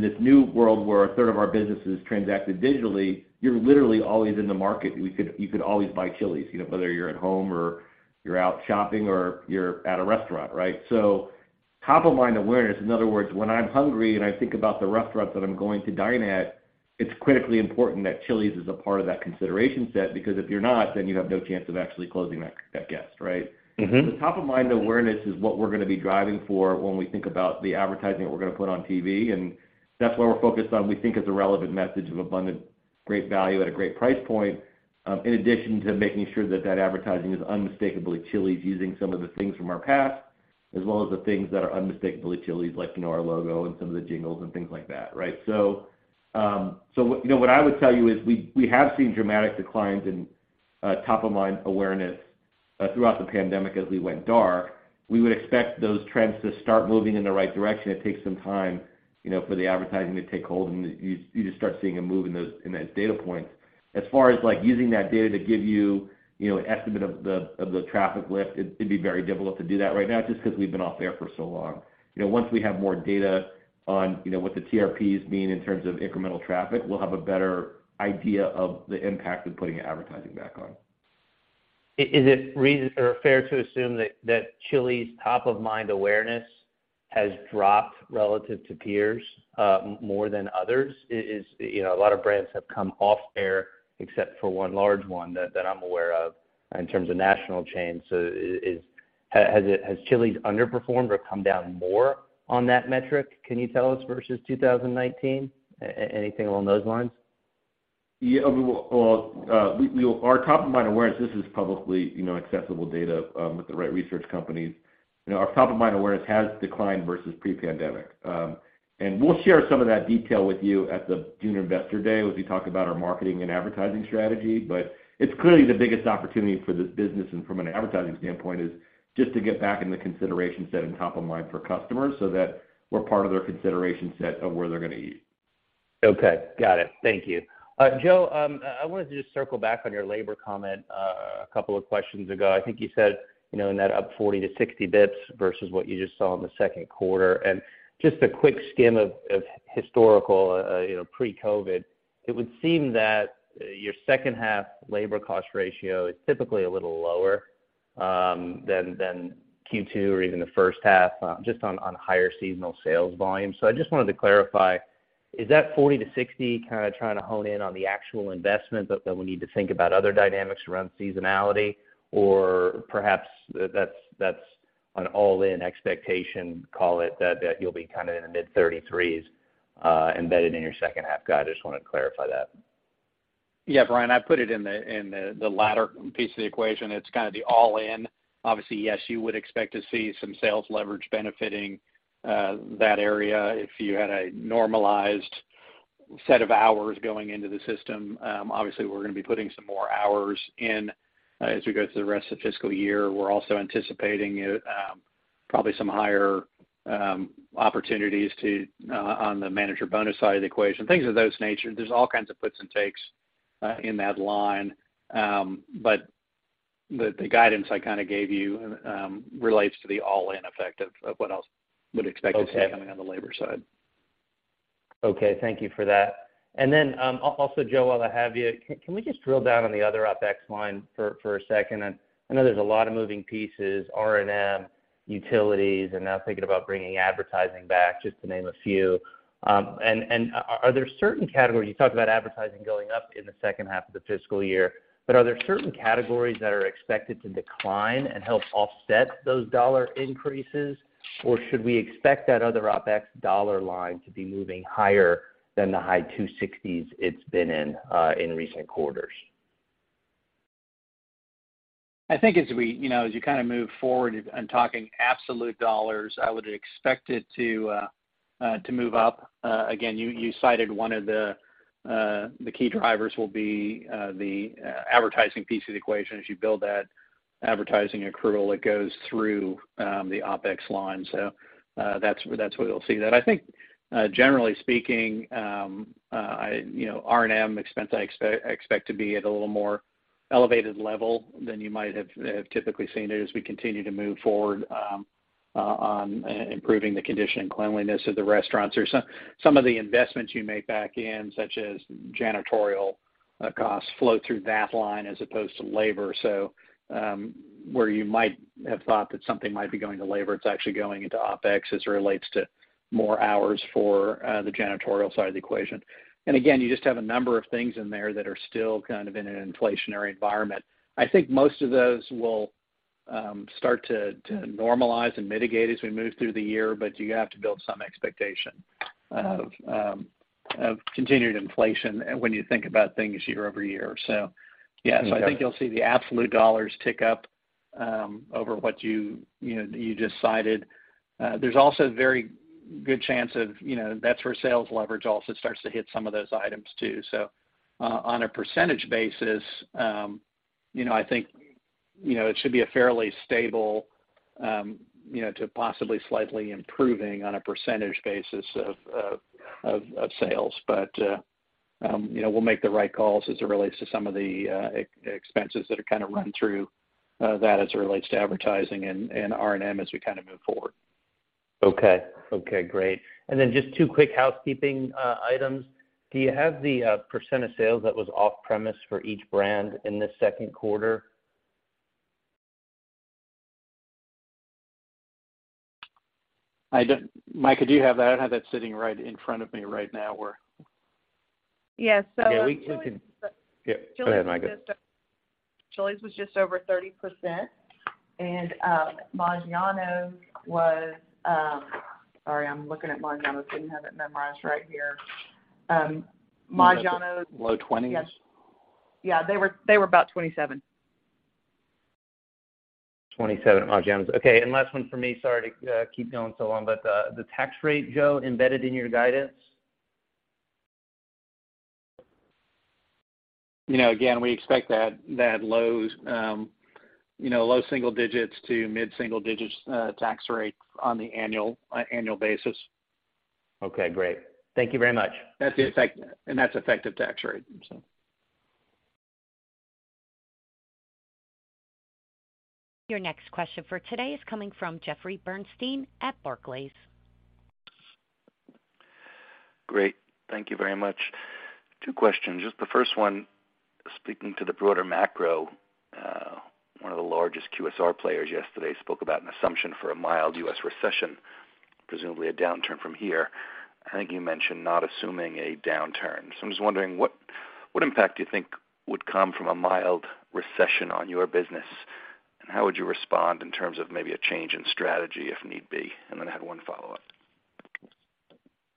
[SPEAKER 3] this new world where a third of our business is transacted digitally, you're literally always in the market. You could always buy Chili's, you know, whether you're at home or you're out shopping or you're at a restaurant, right? Top-of-mind awareness, in other words, when I'm hungry and I think about the restaurant that I'm going to dine at. It's critically important that Chili's is a part of that consideration set because if you're not, then you have no chance of actually closing that guest, right?
[SPEAKER 4] Mm-hmm.
[SPEAKER 3] The top of mind awareness is what we're gonna be driving for when we think about the advertising that we're gonna put on TV. That's where we're focused on, we think is a relevant message of abundant great value at a great price point, in addition to making sure that that advertising is unmistakably Chili's using some of the things from our past, as well as the things that are unmistakably Chili's, like, you know, our logo and some of the jingles and things like that, right? What, you know, what I would tell you is we have seen dramatic declines in top of mind awareness throughout the pandemic as we went dark. We would expect those trends to start moving in the right direction. It takes some time, you know, for the advertising to take hold, you just start seeing a move in that data point. As far as, like, using that data to give you know, an estimate of the traffic lift, it'd be very difficult to do that right now just because we've been off air for so long. You know, once we have more data on, you know, what the TRPs mean in terms of incremental traffic, we'll have a better idea of the impact of putting advertising back on.
[SPEAKER 11] Is it fair to assume that Chili's top of mind awareness has dropped relative to peers, more than others? Is, you know, a lot of brands have come off air except for one large one that I'm aware of in terms of national chains. Has Chili's underperformed or come down more on that metric? Can you tell us versus 2019? Anything along those lines?
[SPEAKER 3] Well, our top of mind awareness, this is publicly, you know, accessible data, with the right research companies. You know, our top of mind awareness has declined versus pre-pandemic. We'll share some of that detail with you at the June Investor Day, as we talk about our marketing and advertising strategy. It's clearly the biggest opportunity for this business and from an advertising standpoint is just to get back in the consideration set and top of mind for customers so that we're part of their consideration set of where they're gonna eat.
[SPEAKER 11] Okay. Got it. Thank you. Joe, I wanted to just circle back on your labor comment a couple of questions ago. I think you said, you know, net up 40 to 60 bps versus what you just saw in the Q2. Just a quick skim of historical, you know, pre-COVID, it would seem that your H2 labor cost ratio is typically a little lower than Q2 or even the H1 just on higher seasonal sales volume. I just wanted to clarify, is that 40 to 60 kinda trying to hone in on the actual investment that we need to think about other dynamics around seasonality? Or perhaps that's an all-in expectation, call it, that you'll be kind of in the mid 33s embedded in your H2? I just wanna clarify that.
[SPEAKER 4] Brian, I put it in the latter piece of the equation. It's kind of the all-in. Obviously, yes, you would expect to see some sales leverage benefiting that area if you had a normalized set of hours going into the system. Obviously, we're gonna be putting some more hours in as we go through the rest of the FY. We're also anticipating probably some higher opportunities to on the manager bonus side of the equation, things of those nature. There's all kinds of puts and takes in that line. The guidance I kinda gave you relates to the all-in effect of what else would expect to see coming on the labor side.
[SPEAKER 11] Okay. Thank you for that. Also, Joe, while I have you, can we just drill down on the other OpEx line for a second? I know there's a lot of moving pieces, R&M, utilities, and now thinking about bringing advertising back, just to name a few. Are there certain categories, you talked about advertising going up in the H2 of the FY, but are there certain categories that are expected to decline and help offset those dollar increases? Or should we expect that other OpEx dollar line to be moving higher than the high $260s it's been in recent quarters?
[SPEAKER 4] I think as we, you know, as you kind of move forward in talking absolute dollars, I would expect it to move up. Again, you cited one of the key drivers will be the advertising piece of the equation. As you build that advertising accrual, it goes through the OpEx line. That's where you'll see that. I think, generally speaking, you know, R&M expense, I expect to be at a little more elevated level than you might have typically seen it as we continue to move forward on improving the condition and cleanliness of the restaurants. There's some of the investments you make back in, such as janitorial costs, flow through that line as opposed to labor. Where you might have thought that something might be going to labor, it's actually going into OpEx as it relates to more hours for the janitorial side of the equation. Again, you just have a number of things in there that are still kind of in an inflationary environment. I think most of those will start to normalize and mitigate as we move through the year, but you have to build some expectation of continued inflation when you think about things year-over-year. Yes, I think you'll see the absolute dollars tick up over what you know, you just cited. There's also a very good chance of, you know, that's where sales leverage also starts to hit some of those items too. On a percentage basis, you know, I think, you know, it should be a fairly stable, you know, to possibly slightly improving on a percentage basis of sales. You know, we'll make the right calls as it relates to some of the e-expenses that are kinda run through that as it relates to advertising and R&M as we kind of move forward.
[SPEAKER 11] Okay. Okay, great. Just two quick housekeeping items. Do you have the percent of sales that was off-premise for each brand in this Q2?
[SPEAKER 4] Mike, do you have that? I don't have that sitting right in front of me right now where. Yeah.
[SPEAKER 3] Yeah, we can.
[SPEAKER 4] Yeah. Go ahead, Mika.
[SPEAKER 2] Chili's was just over 30%. Maggiano's was. Sorry, I'm looking at Maggiano's. I didn't have it memorized right here. Maggiano's.
[SPEAKER 4] Low 20s?
[SPEAKER 2] Yes. Yeah, they were about 27.
[SPEAKER 11] 27 at Maggiano's. Okay. Last one for me. Sorry to keep going so long. The tax rate, Joe, embedded in your guidance?
[SPEAKER 4] You know, again, we expect that lows, you know, low single digits to mid-single digits tax rate on the annual basis.
[SPEAKER 11] Okay, great. Thank you very much.
[SPEAKER 4] That's effective tax rate.
[SPEAKER 1] Your next question for today is coming from Jeffrey Bernstein at Barclays.
[SPEAKER 12] Great. Thank you very much. Two questions. Just the first one, speaking to the broader macro, one of the largest QSR players yesterday spoke about an assumption for a mild U.S. recession, presumably a downturn from here. I think you mentioned not assuming a downturn. I'm just wondering, what impact do you think would come from a mild recession on your business? How would you respond in terms of maybe a change in strategy if need be? I have 1 follow-up.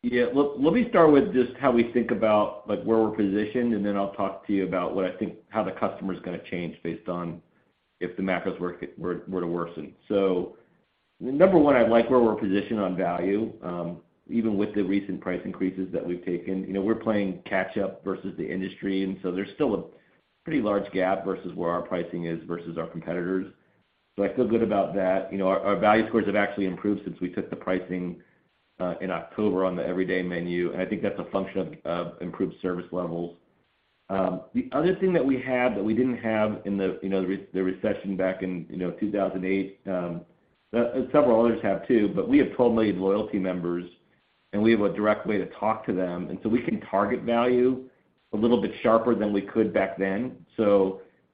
[SPEAKER 3] Yeah. Let me start with just how we think about, like, where we're positioned. Then I'll talk to you about what I think how the customer is gonna change based on if the macros were to worsen. Number one, I like where we're positioned on value, even with the recent price increases that we've taken. You know, we're playing catch up versus the industry, so there's still a pretty large gap versus where our pricing is versus our competitors. I feel good about that. You know, our value scores have actually improved since we took the pricing in October on the everyday menu, I think that's a function of improved service levels. The other thing that we have that we didn't have in the, you know, the recession back in, you know, 2008, several others have too, but we have 12 million loyalty members, and we have a direct way to talk to them. We can target value a little bit sharper than we could back then.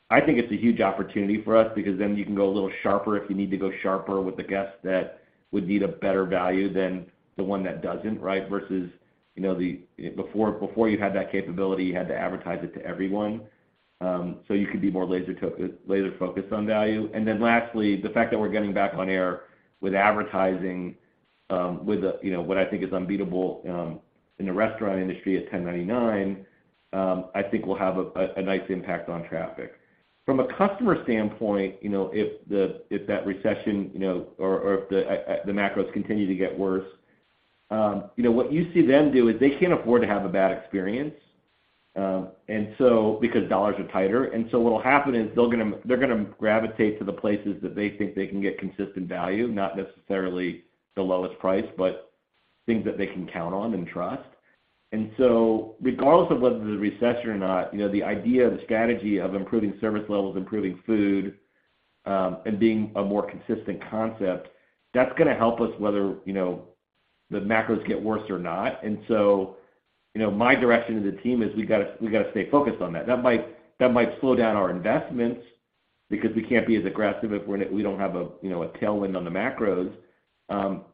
[SPEAKER 3] I think it's a huge opportunity for us because then you can go a little sharper if you need to go sharper with the guests that would need a better value than the one that doesn't, right? Versus, you know, Before you had that capability, you had to advertise it to everyone, so you could be more laser focused on value. Lastly, the fact that we're getting back on air with advertising, with a, you know, what I think is unbeatable in the restaurant industry at $10.99, I think will have a nice impact on traffic. From a customer standpoint, you know, If that recession, you know, or if the macros continue to get worse, you know, what you see them do is they can't afford to have a bad experience, because dollars are tighter. What'll happen is they're gonna gravitate to the places that they think they can get consistent value, not necessarily the lowest price, but things that they can count on and trust. Regardless of whether there's a recession or not, you know, the idea of the strategy of improving service levels, improving food, and being a more consistent concept, that's gonna help us whether, you know, the macros get worse or not. My direction to the team is we gotta stay focused on that. That might slow down our investments because we can't be as aggressive if we don't have a, you know, a tailwind on the macros.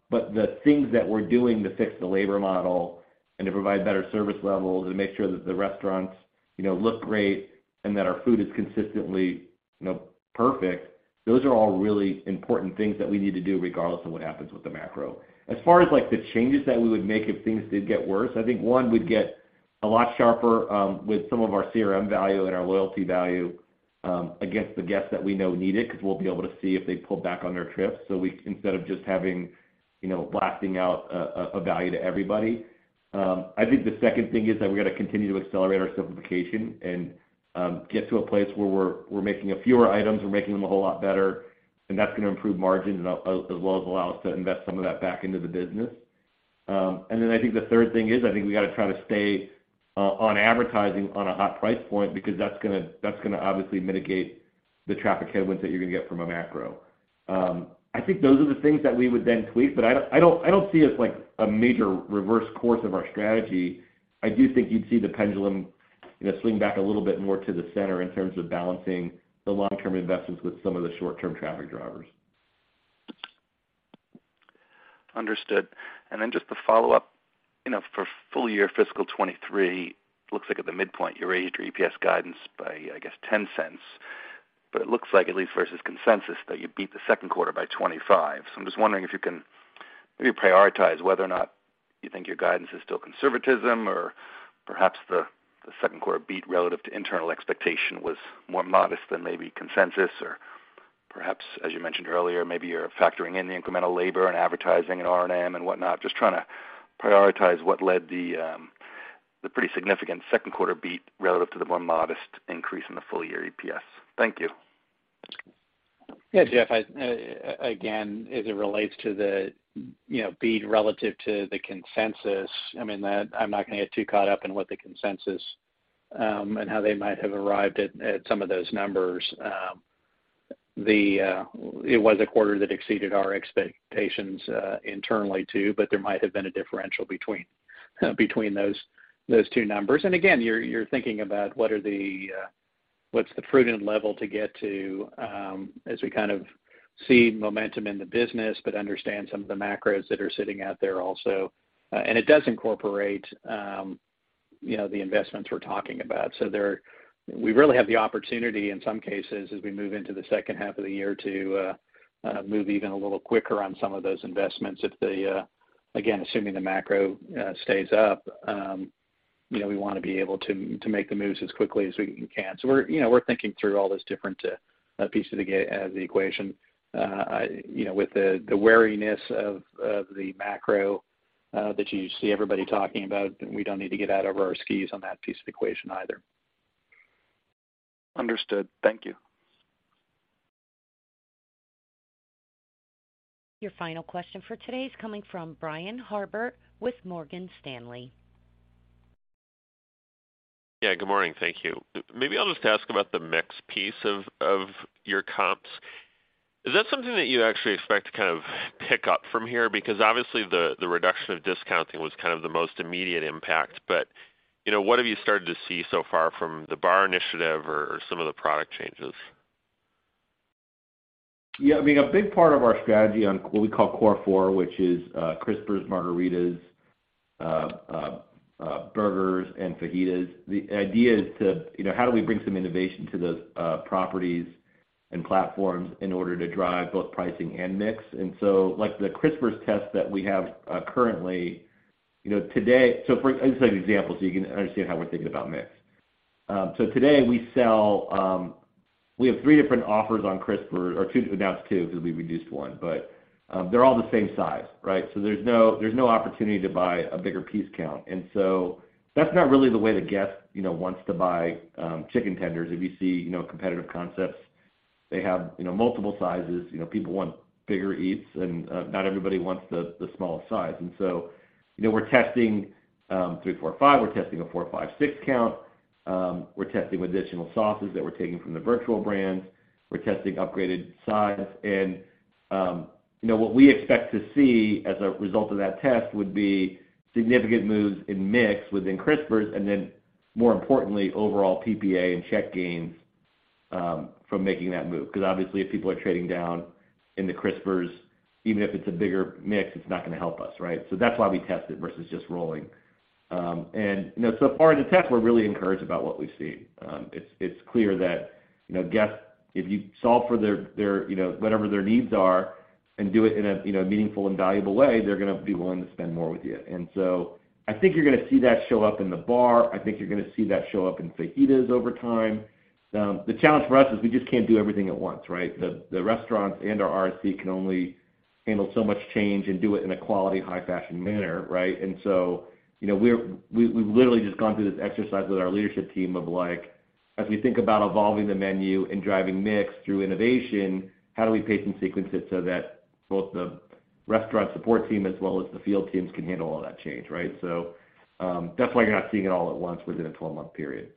[SPEAKER 3] But the things that we're doing to fix the labor model and to provide better service levels and make sure that the restaurants, you know, look great and that our food is consistently, you know, perfect, those are all really important things that we need to do regardless of what happens with the macro. As far as, like, the changes that we would make if things did get worse, I think, one, we'd get a lot sharper with some of our CRM value and our loyalty value against the guests that we know need it because we'll be able to see if they pull back on their trips. Instead of just having, you know, blasting out a value to everybody. I think the second thing is that we've got to continue to accelerate our simplification and get to a place where we're making a fewer items. We're making them a whole lot better, that's gonna improve margins as well as allow us to invest some of that back into the business. I think the third thing is, I think we gotta try to stay on advertising on a hot price point because that's gonna obviously mitigate the traffic headwinds that you're gonna get from a macro. I think those are the things that we would then tweak, I don't see it as like a major reverse course of our strategy. I do think you'd see the pendulum, you know, swing back a little bit more to the center in terms of balancing the long-term investments with some of the short-term traffic drivers.
[SPEAKER 12] Understood. Then just to follow up, you know, for full year fiscal 2023, looks like at the midpoint, you raised your EPS guidance by, I guess, $0.10. It looks like at least versus consensus that you beat the Q2 by $0.25. I'm just wondering if you can maybe prioritize whether or not you think your guidance is still conservatism or perhaps the Q2 beat relative to internal expectation was more modest than maybe consensus or perhaps, as you mentioned earlier, maybe you're factoring in the incremental labor and advertising and R&M and whatnot. Just trying to prioritize what led the pretty significant Q2 beat relative to the more modest increase in the full year EPS. Thank you.
[SPEAKER 4] Yeah, Jeff, I, again, as it relates to the, you know, beat relative to the consensus, I mean, that I'm not gonna get too caught up in what the consensus, and how they might have arrived at some of those numbers. The, it was a quarter that exceeded our expectations, internally, too, but there might have been a differential between those two numbers. Again, you're thinking about what's the prudent level to get to, as we kind of see momentum in the business, but understand some of the macros that are sitting out there also. It does incorporate, you know, the investments we're talking about. We really have the opportunity in some cases, as we move into the H2 of the year, to move even a little quicker on some of those investments. If again, assuming the macro stays up, you know, we wanna be able to make the moves as quickly as we can. We're, you know, we're thinking through all those different pieces of the equation. You know, with the wariness of the macro that you see everybody talking about, we don't need to get out of our skis on that piece of equation either.
[SPEAKER 12] Understood. Thank you.
[SPEAKER 1] Your final question for today is coming from Brian Harbour with Morgan Stanley.
[SPEAKER 13] Yeah, good morning. Thank you. Maybe I'll just ask about the mix piece of your comps. Is that something that you actually expect to kind of pick up from here? Obviously the reduction of discounting was kind of the most immediate impact, but, you know, what have you started to see so far from the bar initiative or some of the product changes?
[SPEAKER 3] Yeah, I mean, a big part of our strategy on what we call Core Four, which is Crispers, Margaritas, burgers, and fajitas. The idea is to, you know, how do we bring some innovation to those properties and platforms in order to drive both pricing and mix. Like the Crispers test that we have currently, you know, today, I'll just take an example so you can understand how we're thinking about mix. Today we sell, we have three different offers on Crispers or two, now it's two because we reduced one, but they're all the same size, right? There's no opportunity to buy a bigger piece count. That's not really the way the guest, you know, wants to buy chicken tenders. If you see, you know, competitive concepts, they have, you know, multiple sizes. You know, people want bigger eats and not everybody wants the smallest size. You know, we're testing three, four, five, we're testing a four, five, six count. We're testing additional sauces that we're taking from the virtual brands. We're testing upgraded size and, you know, what we expect to see as a result of that test would be significant moves in mix within Crispers and then more importantly, overall PPA and check gains from making that move. Because obviously if people are trading down in the Crispers, even if it's a bigger mix, it's not gonna help us, right? That's why we test it versus just rolling. You know, so far in the test, we're really encouraged about what we see. It's clear that, you know, guests, if you solve for their, you know, whatever their needs are and do it in a, you know, meaningful and valuable way, they're gonna be willing to spend more with you. I think you're gonna see that show up in the bar. I think you're gonna see that show up in fajitas over time. The challenge for us is we just can't do everything at once, right? The restaurants and our RSC can only handle so much change and do it in a quality high-fashion manner, right? You know, we've literally just gone through this exercise with our leadership team of, like, as we think about evolving the menu and driving mix through innovation, how do we pace and sequence it so that both the restaurant support team as well as the field teams can handle all that change, right? That's why you're not seeing it all at once within a 12-month period.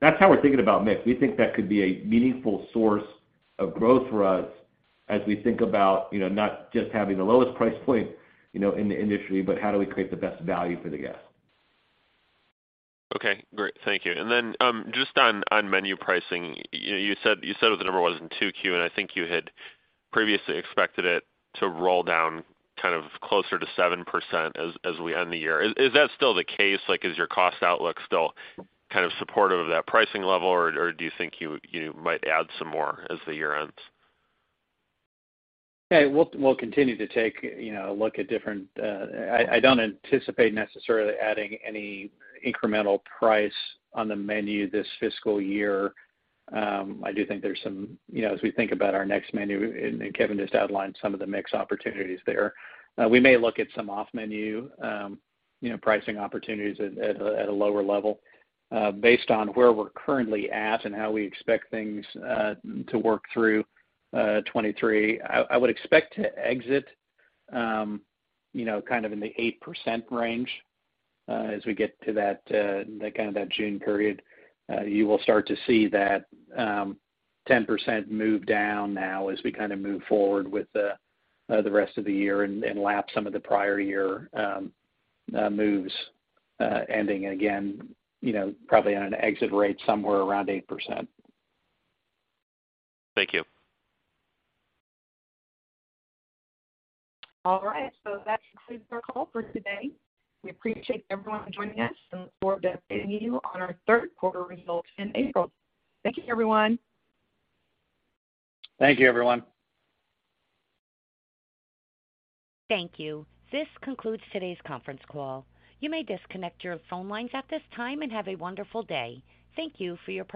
[SPEAKER 3] That's how we're thinking about mix. We think that could be a meaningful source of growth for us as we think about, you know, not just having the lowest price point, you know, in the industry, but how do we create the best value for the guest.
[SPEAKER 13] Okay, great. Thank you. Then, just on menu pricing. You said what the number was in 2Q, and I think you had previously expected it to roll down kind of closer to 7% as we end the year. Is that still the case? Like, is your cost outlook still kind of supportive of that pricing level, or do you think you might add some more as the year ends?
[SPEAKER 4] We'll continue to take, you know, look at different. I don't anticipate necessarily adding any incremental price on the menu this fiscal year. I do think there's some, you know, as we think about our next menu, and Kevin just outlined some of the mix opportunities there. We may look at some off menu, you know, pricing opportunities at a lower level, based on where we're currently at and how we expect things to work through 2023. I would expect to exit, you know, kind of in the 8% range, as we get to that kind of that June period. You will start to see that, 10% move down now as we kinda move forward with the rest of the year and lap some of the prior year, moves, ending again, you know, probably on an exit rate somewhere around 8%.
[SPEAKER 13] Thank you.
[SPEAKER 2] All right. That concludes our call for today. We appreciate everyone joining us, and look forward to updating you on our Q3 results in April. Thank you, everyone.
[SPEAKER 4] Thank you, everyone.
[SPEAKER 1] Thank you. This concludes today's conference call. You may disconnect your phone lines at this time and have a wonderful day. Thank you for your participation.